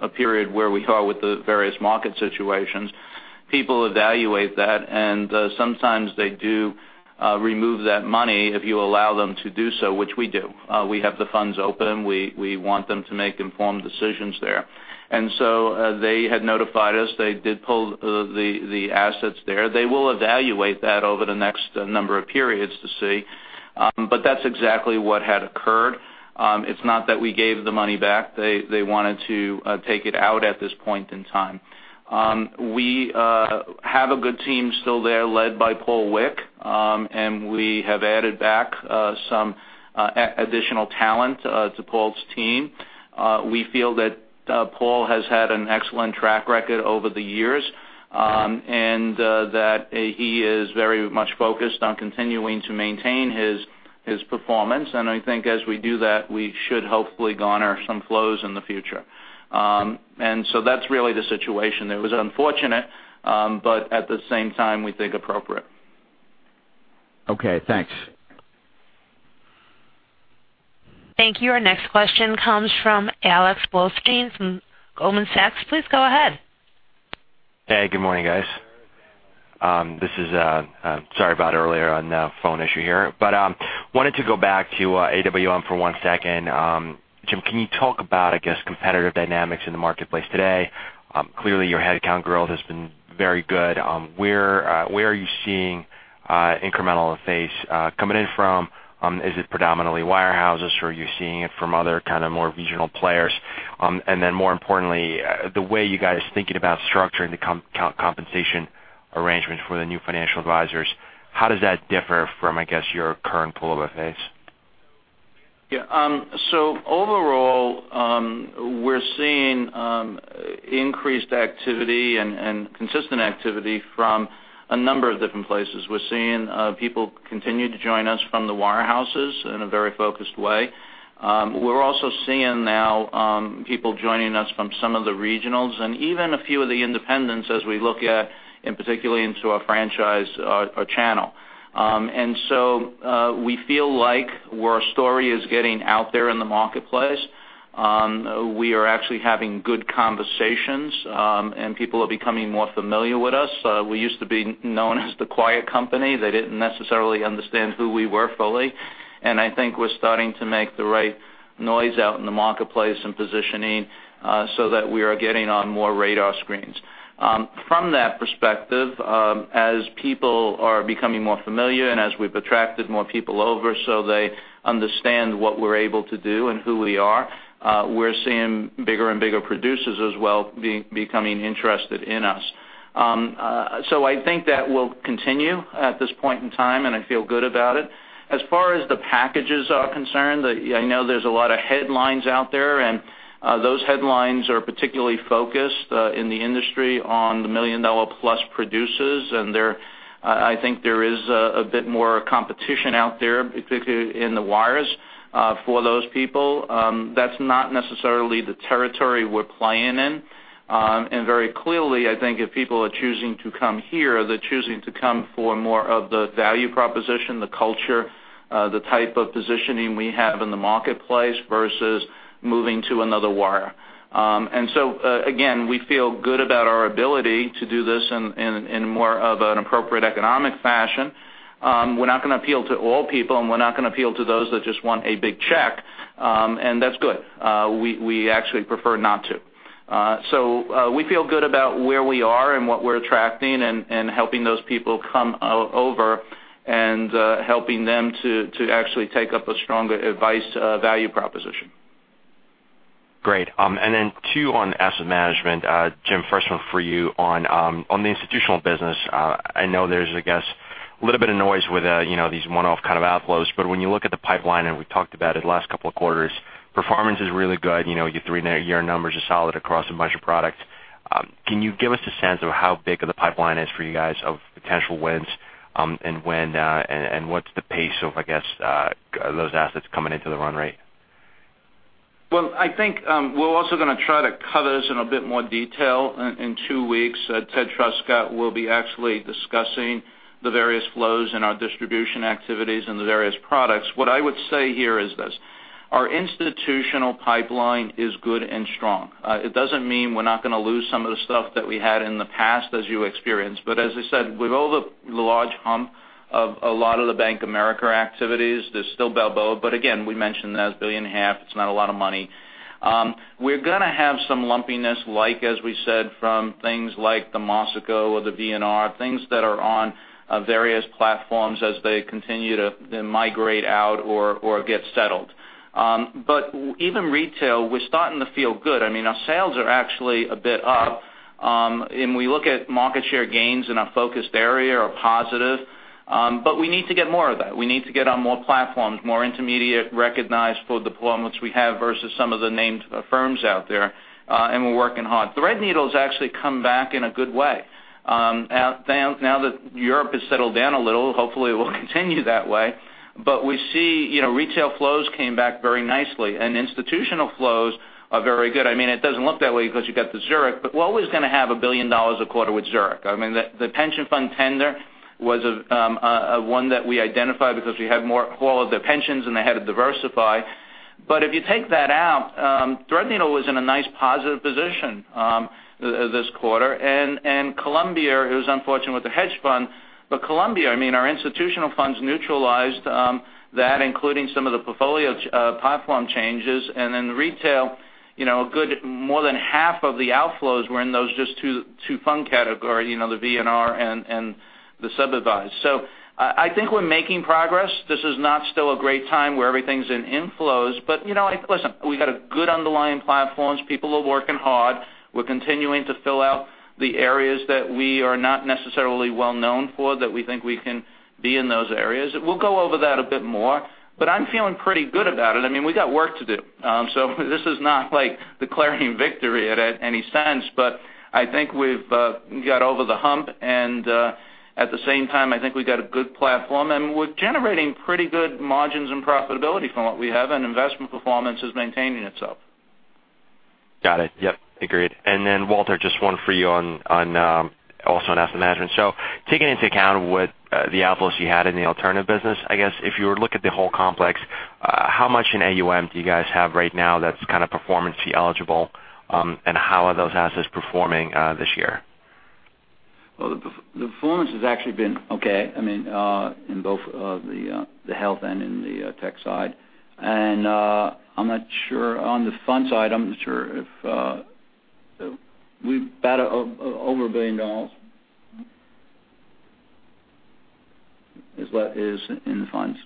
a period where we are with the various market situations, people evaluate that, and sometimes they do remove that money if you allow them to do so, which we do. We have the funds open. We want them to make informed decisions there. They had notified us. They did pull the assets there. They will evaluate that over the next number of periods to see. That's exactly what had occurred. It's not that we gave the money back. They wanted to take it out at this point in time. We have a good team still there led by Paul Wick, and we have added back some additional talent to Paul's team. We feel that Paul has had an excellent track record over the years, and that he is very much focused on continuing to maintain his performance. I think as we do that, we should hopefully garner some flows in the future. That's really the situation. It was unfortunate, but at the same time, we think appropriate. Okay, thanks. Thank you. Our next question comes from Alex Blostein from Goldman Sachs. Please go ahead. Hey, good morning, guys. Sorry about earlier on phone issue here, wanted to go back to AWM for one second. Jim, can you talk about, I guess, competitive dynamics in the marketplace today? Clearly, your headcount growth has been very good. Where are you seeing incremental fees coming in from? Is it predominantly wire houses, or are you seeing it from other more regional players? More importantly, the way you guys thinking about structuring the compensation arrangements for the new financial advisors, how does that differ from, I guess, your current pool of FAs? Yeah. Overall, we're seeing increased activity and consistent activity from a number of different places. We're seeing people continue to join us from the wire houses in a very focused way. We're also seeing now people joining us from some of the regionals, even a few of the independents as we look at, particularly into our franchise channel. We feel like where our story is getting out there in the marketplace, we are actually having good conversations, and people are becoming more familiar with us. We used to be known as the quiet company. They didn't necessarily understand who we were fully, I think we're starting to make the right noise out in the marketplace and positioning so that we are getting on more radar screens. From that perspective, as people are becoming more familiar, as we've attracted more people over so they understand what we're able to do and who we are, we're seeing bigger and bigger producers as well becoming interested in us. I think that will continue at this point in time, I feel good about it. As far as the packages are concerned, I know there's a lot of headlines out there. Those headlines are particularly focused in the industry on the $1 million-plus producers. I think there is a bit more competition out there, particularly in the wires for those people. That's not necessarily the territory we're playing in. Very clearly, I think if people are choosing to come here, they're choosing to come for more of the value proposition, the culture, the type of positioning we have in the marketplace versus moving to another wire. Again, we feel good about our ability to do this in more of an appropriate economic fashion. We're not going to appeal to all people. We're not going to appeal to those that just want a big check. That's good. We actually prefer not to. We feel good about where we are and what we're attracting, helping those people come over, helping them to actually take up a stronger advice value proposition. Great. Then two on asset management. Jim, first one for you on the institutional business. I know there's, I guess, a little bit of noise with these one-off outflows. When you look at the pipeline, we've talked about it last couple of quarters, performance is really good. Your 3-year numbers are solid across a bunch of products. Can you give us a sense of how big of the pipeline is for you guys of potential wins, what's the pace of, I guess, those assets coming into the run rate? I think we're also going to try to cover this in a bit more detail in 2 weeks. Ted Truscott will be actually discussing the various flows in our distribution activities in the various products. What I would say here is this. Our institutional pipeline is good and strong. It doesn't mean we're not going to lose some of the stuff that we had in the past as you experienced. But as I said, with all the large hump of a lot of the Bank of America activities, there's still BofA. Again, we mentioned that as a billion and a half. It's not a lot of money. We're going to have some lumpiness, like, as we said, from things like the Marsico or the VNR, things that are on various platforms as they continue to migrate out or get settled. Even retail, we're starting to feel good. Our sales are actually a bit up. We look at market share gains in our focused area are positive. We need to get more of that. We need to get on more platforms, more intermediate recognized for deployments we have versus some of the named firms out there. We're working hard. Threadneedle's actually come back in a good way. Now that Europe has settled down a little, hopefully it will continue that way. We see retail flows came back very nicely, and institutional flows are very good. It doesn't look that way because you got the Zurich, we're always going to have $1 billion a quarter with Zurich. The pension fund tender was one that we identified because we had more call of the pensions, and they had to diversify. If you take that out, Threadneedle was in a nice positive position this quarter. Columbia, it was unfortunate with the hedge fund. Columbia, our institutional funds neutralized that, including some of the portfolio platform changes. Retail, a good more than half of the outflows were in those just two fund category, the VNR and the sub-advise. I think we're making progress. This is not still a great time where everything's in inflows, listen, we've got a good underlying platforms. People are working hard. We're continuing to fill out the areas that we are not necessarily well-known for, that we think we can be in those areas. We'll go over that a bit more. I'm feeling pretty good about it. We got work to do. This is not like declaring victory at any sense, I think we've got over the hump, at the same time, I think we've got a good platform, we're generating pretty good margins and profitability from what we have, investment performance is maintaining itself. Got it. Yep, agreed. Walter, just one for you also on asset management. Taking into account what the outflows you had in the alternative business, I guess if you were to look at the whole complex, how much in AUM do you guys have right now that's kind of performance fee eligible? How are those assets performing this year? Well, the performance has actually been okay in both the health and in the tech side. I'm not sure on the fund side. I'm not sure if we've about over $1 billion is in the funds.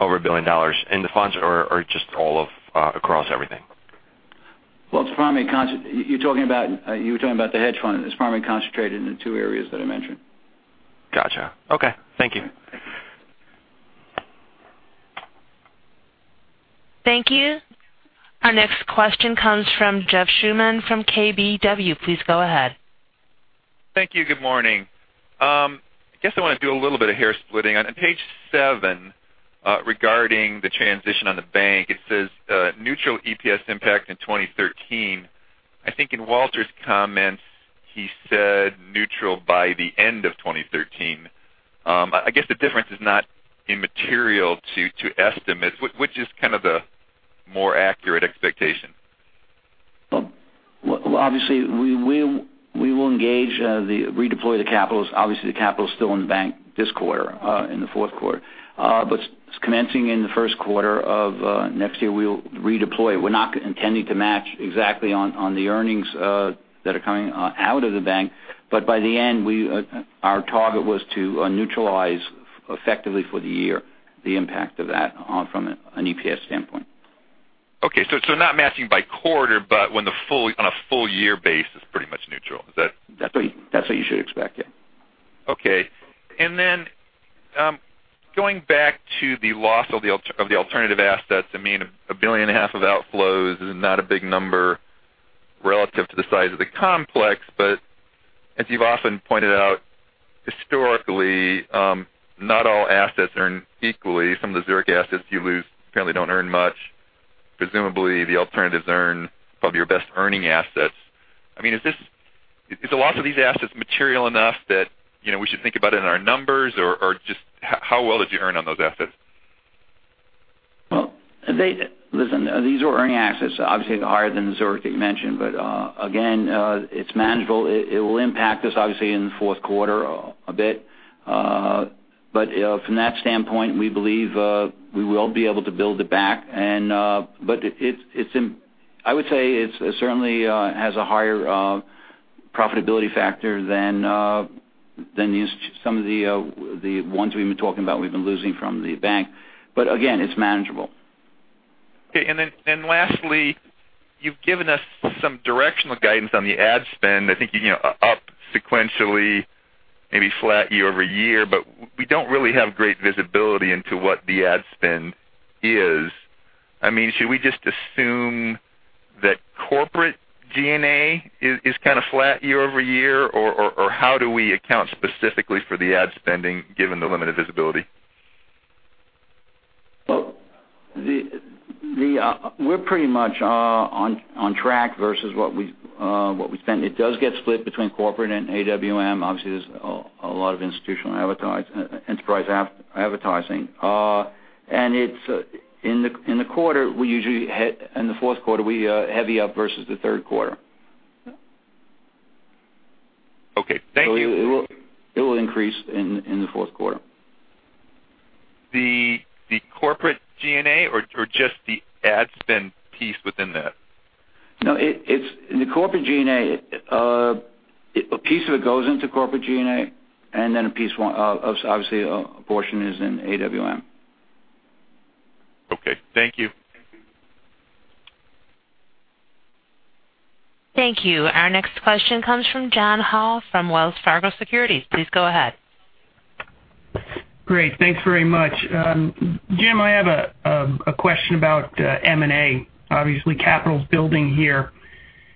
Over $1 billion in the funds or just all of across everything? Well, you were talking about the hedge fund. It's primarily concentrated in the two areas that I mentioned. Got you. Okay. Thank you. Thank you. Our next question comes from Jeff Schuman from KBW. Please go ahead. Thank you. Good morning. I guess I want to do a little bit of hair splitting. On page seven, regarding the transition on the bank, it says neutral EPS impact in 2013. I think in Walter's comments, he said neutral by the end of 2013. I guess the difference is not immaterial to estimates. Which is kind of the more accurate expectation? Well, obviously we will engage the redeploy the capital. Obviously, the capital's still in the bank this quarter, in the fourth quarter. Commencing in the first quarter of next year, we'll redeploy. We're not intending to match exactly on the earnings that are coming out of the bank. By the end, our target was to neutralize effectively for the year, the impact of that from an EPS standpoint. Okay, not matching by quarter, on a full year basis, pretty much neutral. Is that correct? That's what you should expect, yeah. Okay. Going back to the loss of the alternative assets, $1.5 billion of outflows is not a big number relative to the size of the complex. As you've often pointed out, historically, not all assets earn equally. Some of the Zurich assets you lose apparently don't earn much. Presumably, the alternatives earn probably your best earning assets. Is the loss of these assets material enough that we should think about it in our numbers, or just how well did you earn on those assets? Well, listen, these are earning assets, obviously higher than Zurich that you mentioned. Again, it's manageable. It will impact us, obviously, in the fourth quarter a bit. From that standpoint, we believe, we will be able to build it back. I would say it certainly has a higher profitability factor than some of the ones we've been talking about we've been losing from the bank. Again, it's manageable. Okay. Lastly, you've given us some directional guidance on the ad spend, I think, up sequentially, maybe flat year-over-year. We don't really have great visibility into what the ad spend is. Should we just assume that corporate G&A is kind of flat year-over-year, or how do we account specifically for the ad spending given the limited visibility? Well, we're pretty much on track versus what we've spent. It does get split between corporate and AWM. Obviously, there's a lot of institutional enterprise advertising. In the fourth quarter, we heavy up versus the third quarter. Okay. Thank you. It will increase in the fourth quarter. The corporate G&A or just the ad spend piece within that? No, a piece of it goes into corporate G&A, and then obviously, a portion is in AWM. Okay. Thank you. Thank you. Our next question comes from John Hall from Wells Fargo Securities. Please go ahead. Great. Thanks very much. Jim, I have a question about M&A. Obviously, capital's building here,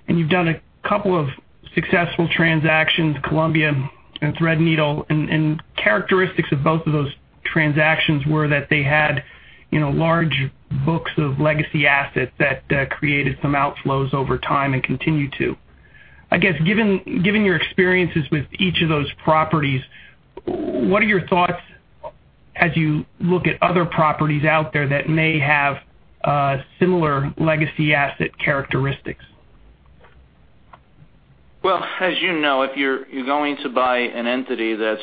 and you've done a couple of successful transactions, Columbia and Threadneedle, and characteristics of both of those transactions were that they had large books of legacy assets that created some outflows over time and continue to. I guess, given your experiences with each of those properties, what are your thoughts as you look at other properties out there that may have similar legacy asset characteristics? Well, as you know, if you're going to buy an entity that's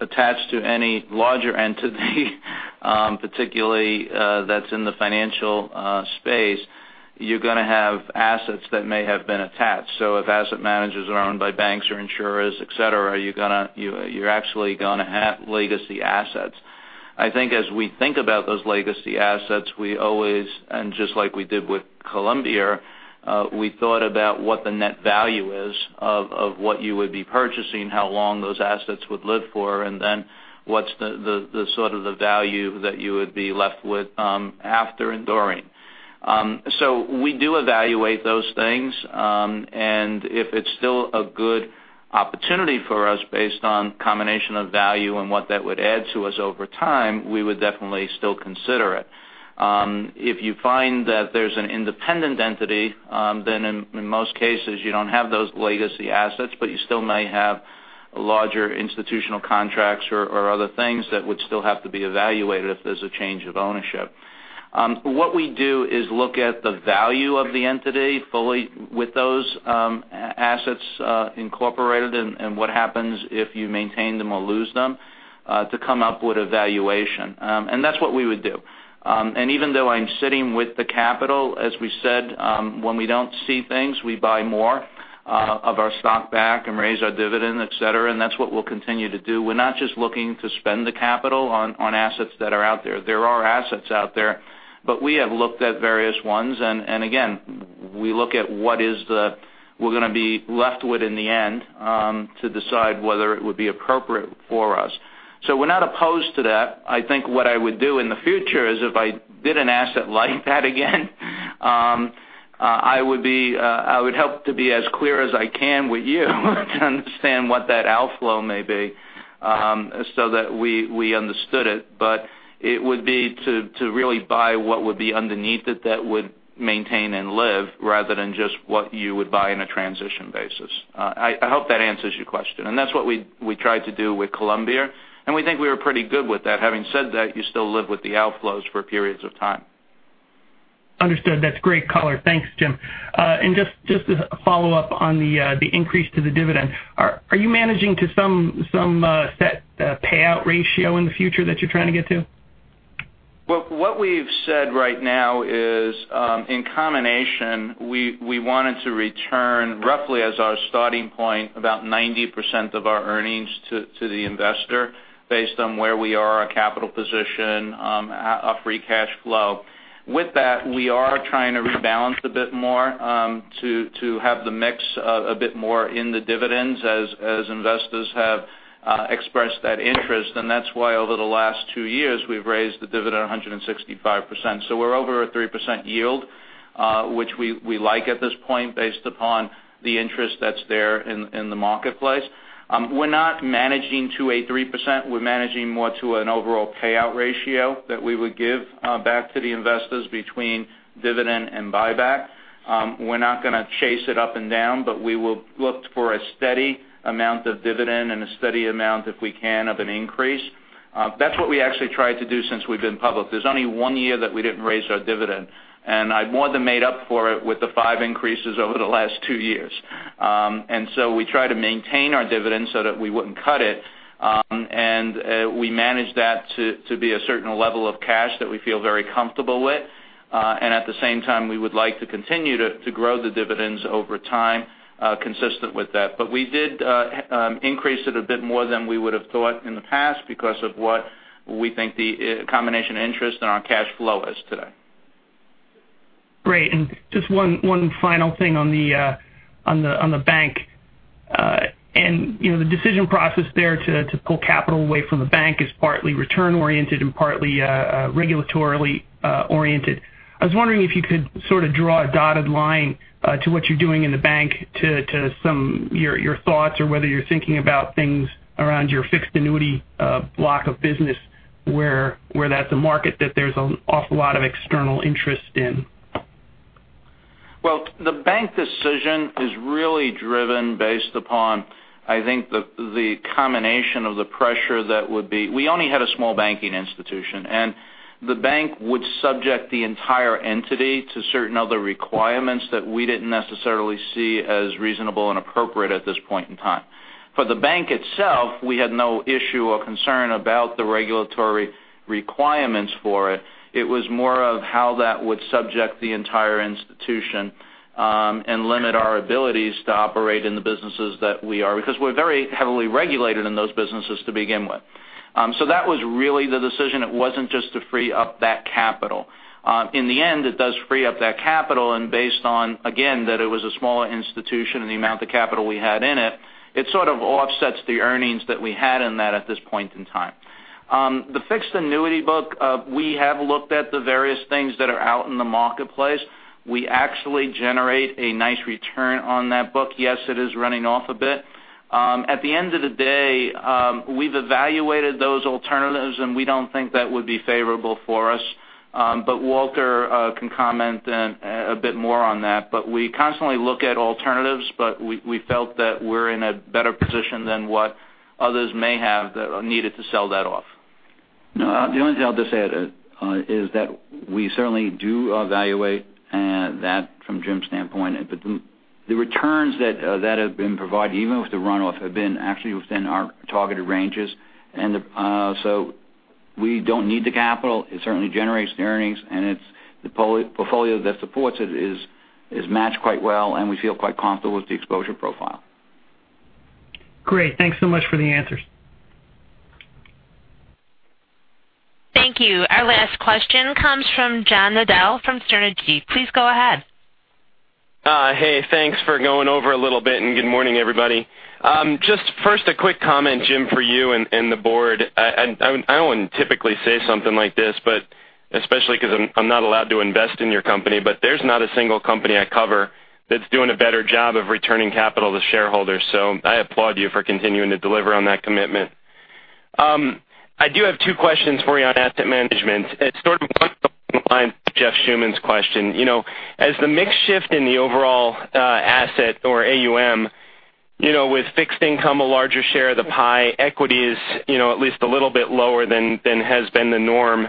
attached to any larger entity, particularly that's in the financial space, you're going to have assets that may have been attached. If asset managers are owned by banks or insurers, et cetera, you're actually going to have legacy assets. I think as we think about those legacy assets, and just like we did with Columbia, we thought about what the net value is of what you would be purchasing, how long those assets would live for, and then what's the value that you would be left with after enduring. We do evaluate those things, and if it's still a good opportunity for us based on combination of value and what that would add to us over time, we would definitely still consider it. If you find that there's an independent entity, then in most cases, you don't have those legacy assets, but you still may have larger institutional contracts or other things that would still have to be evaluated if there's a change of ownership. What we do is look at the value of the entity fully with those assets incorporated and what happens if you maintain them or lose them to come up with a valuation. That's what we would do. Even though I'm sitting with the capital, as we said, when we don't see things, we buy more of our stock back and raise our dividend, et cetera, that's what we'll continue to do. We're not just looking to spend the capital on assets that are out there. There are assets out there, but we have looked at various ones, and again, we look at what we're going to be left with in the end to decide whether it would be appropriate for us. We're not opposed to that. I think what I would do in the future is if I bid an asset like that again, I would help to be as clear as I can with you to understand what that outflow may be so that we understood it. It would be to really buy what would be underneath it that would maintain and live rather than just what you would buy on a transition basis. I hope that answers your question. That's what we tried to do with Columbia, and we think we were pretty good with that. Having said that, you still live with the outflows for periods of time. Understood. That's great color. Thanks, Jim. Just to follow up on the increase to the dividend. Are you managing to some set payout ratio in the future that you're trying to get to? Well, what we've said right now is, in combination, we wanted to return roughly as our starting point, about 90% of our earnings to the investor based on where we are, our capital position, our free cash flow. With that, we are trying to rebalance a bit more to have the mix a bit more in the dividends as investors have expressed that interest, and that's why over the last two years, we've raised the dividend 165%. We're over a 3% yield, which we like at this point based upon the interest that's there in the marketplace. We're not managing to a 3%. We're managing more to an overall payout ratio that we would give back to the investors between dividend and buyback. We're not going to chase it up and down, we will look for a steady amount of dividend and a steady amount, if we can, of an increase. That's what we actually tried to do since we've been public. There's only one year that we didn't raise our dividend, and I more than made up for it with the five increases over the last two years. We try to maintain our dividend so that we wouldn't cut it, and we manage that to be a certain level of cash that we feel very comfortable with. At the same time, we would like to continue to grow the dividends over time consistent with that. We did increase it a bit more than we would have thought in the past because of what we think the combination interest in our cash flow is today. Great. Just one final thing on the bank. The decision process there to pull capital away from the bank is partly return-oriented and partly regulatorily-oriented. I was wondering if you could sort of draw a dotted line to what you're doing in the bank to your thoughts or whether you're thinking about things around your fixed annuity block of business where that's a market that there's an awful lot of external interest in. Well, the bank decision is really driven based upon, I think, the combination of the pressure that would be. We only had a small banking institution, and the bank would subject the entire entity to certain other requirements that we didn't necessarily see as reasonable and appropriate at this point in time. For the bank itself, we had no issue or concern about the regulatory requirements for it. It was more of how that would subject the entire institution, and limit our abilities to operate in the businesses that we are, because we're very heavily regulated in those businesses to begin with. That was really the decision. It wasn't just to free up that capital. In the end, it does free up that capital. Based on, again, that it was a smaller institution and the amount of capital we had in it sort of offsets the earnings that we had in that at this point in time. The fixed annuity book, we have looked at the various things that are out in the marketplace. We actually generate a nice return on that book. Yes, it is running off a bit. At the end of the day, we've evaluated those alternatives, and we don't think that would be favorable for us. Walter can comment a bit more on that. We constantly look at alternatives, but we felt that we're in a better position than what others may have that are needed to sell that off. No, the only thing I'll just add is that we certainly do evaluate that from Jim's standpoint. The returns that have been provided, even with the runoff, have been actually within our targeted ranges. We don't need the capital. It certainly generates the earnings, and the portfolio that supports it is matched quite well, and we feel quite comfortable with the exposure profile. Great. Thanks so much for the answers. I do have two questions for you on asset management. It's sort of one line to Jeff Schuman's question. As the mix shift in the overall asset or AUM with fixed income, a larger share of the pie, equity is at least a little bit lower than has been the norm.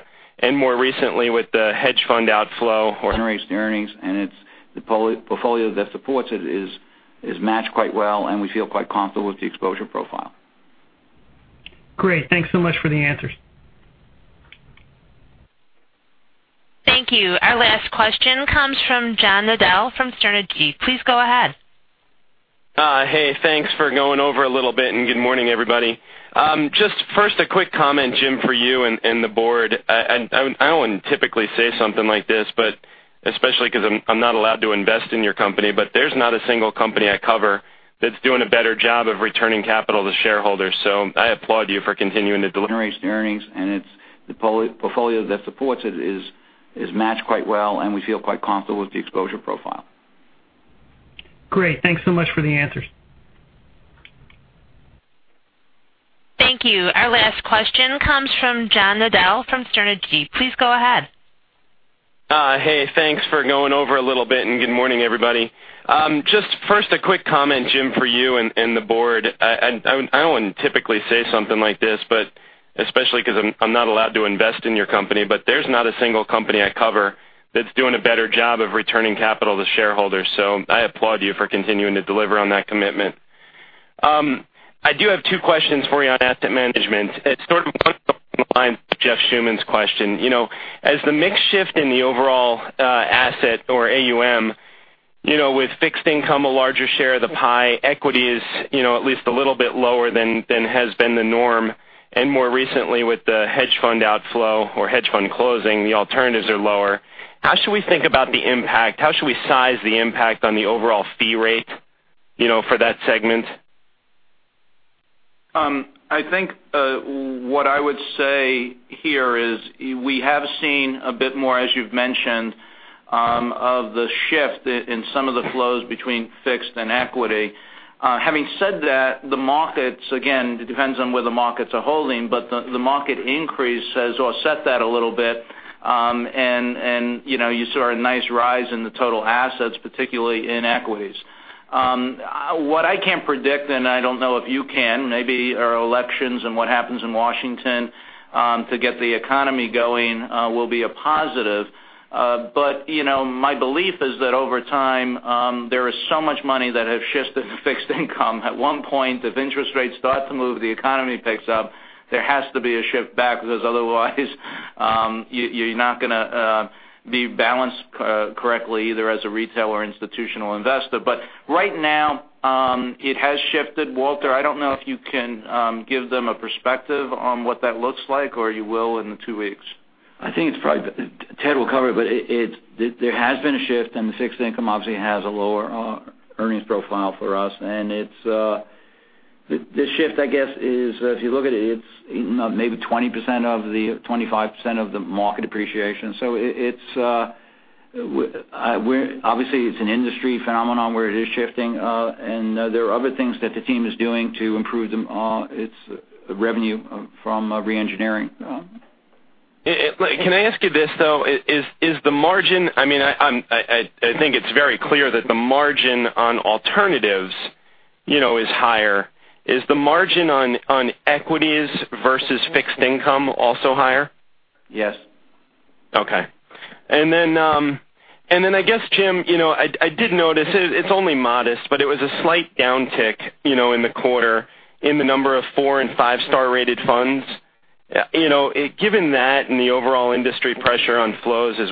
More recently with the hedge fund outflow or hedge fund closing, the alternatives are lower. How should we think about the impact? How should we size the impact on the overall fee rate for that segment? I think what I would say here is we have seen a bit more, as you've mentioned, of the shift in some of the flows between fixed and equity. Having said that, the markets, again, it depends on where the markets are holding, but the market increase has offset that a little bit. You saw a nice rise in the total assets, particularly in equities. What I can't predict, and I don't know if you can, maybe our elections and what happens in Washington to get the economy going will be a positive. My belief is that over time, there is so much money that has shifted to fixed income. At one point, if interest rates start to move, the economy picks up, there has to be a shift back because otherwise you're not going to be balanced correctly, either as a retail or institutional investor. Right now, it has shifted. Walter, I don't know if you can give them a perspective on what that looks like, or you will in the two weeks. I think it's probably Ted will cover it, there has been a shift, the fixed income obviously has a lower earnings profile for us. The shift, I guess is, if you look at it's maybe 20% of the 25% of the market appreciation. Obviously it's an industry phenomenon where it is shifting. There are other things that the team is doing to improve its revenue from re-engineering. Can I ask you this, though? I think it's very clear that the margin on alternatives is higher. Is the margin on equities versus fixed income also higher? Yes. Okay. I guess, Jim, I did notice, it's only modest, but it was a slight downtick in the quarter in the number of four and five-star rated funds. Given that and the overall industry pressure on flows as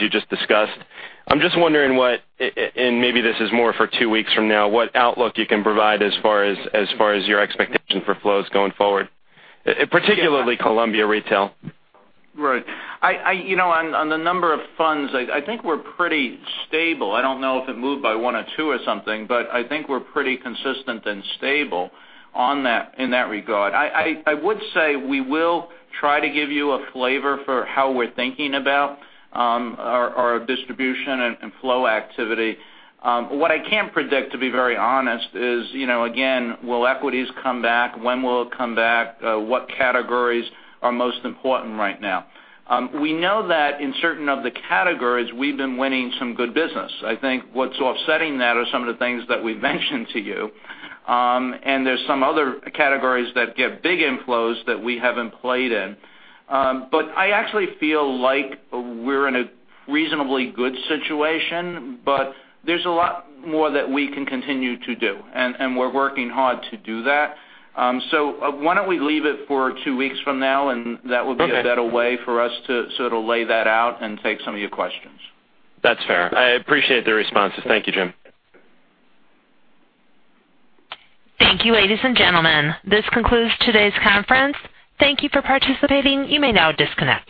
you just discussed, I'm just wondering, and maybe this is more for two weeks from now, what outlook you can provide as far as your expectation for flows going forward, particularly Columbia Retail. Right. On the number of funds, I think we're pretty stable. I don't know if it moved by one or two or something, I think we're pretty consistent and stable in that regard. I would say we will try to give you a flavor for how we're thinking about our distribution and flow activity. What I can't predict, to be very honest, is, again, will equities come back? When will it come back? What categories are most important right now? We know that in certain of the categories, we've been winning some good business. I think what's offsetting that are some of the things that we've mentioned to you, there's some other categories that get big inflows that we haven't played in. I actually feel like we're in a reasonably good situation, but there's a lot more that we can continue to do, and we're working hard to do that. Why don't we leave it for two weeks from now, and that will be. That is a better way for us to lay that out and take some of your questions. That's fair. I appreciate the responses. Thank you, Jim. Thank you, ladies and gentlemen. This concludes today's conference. Thank you for participating. You may now disconnect.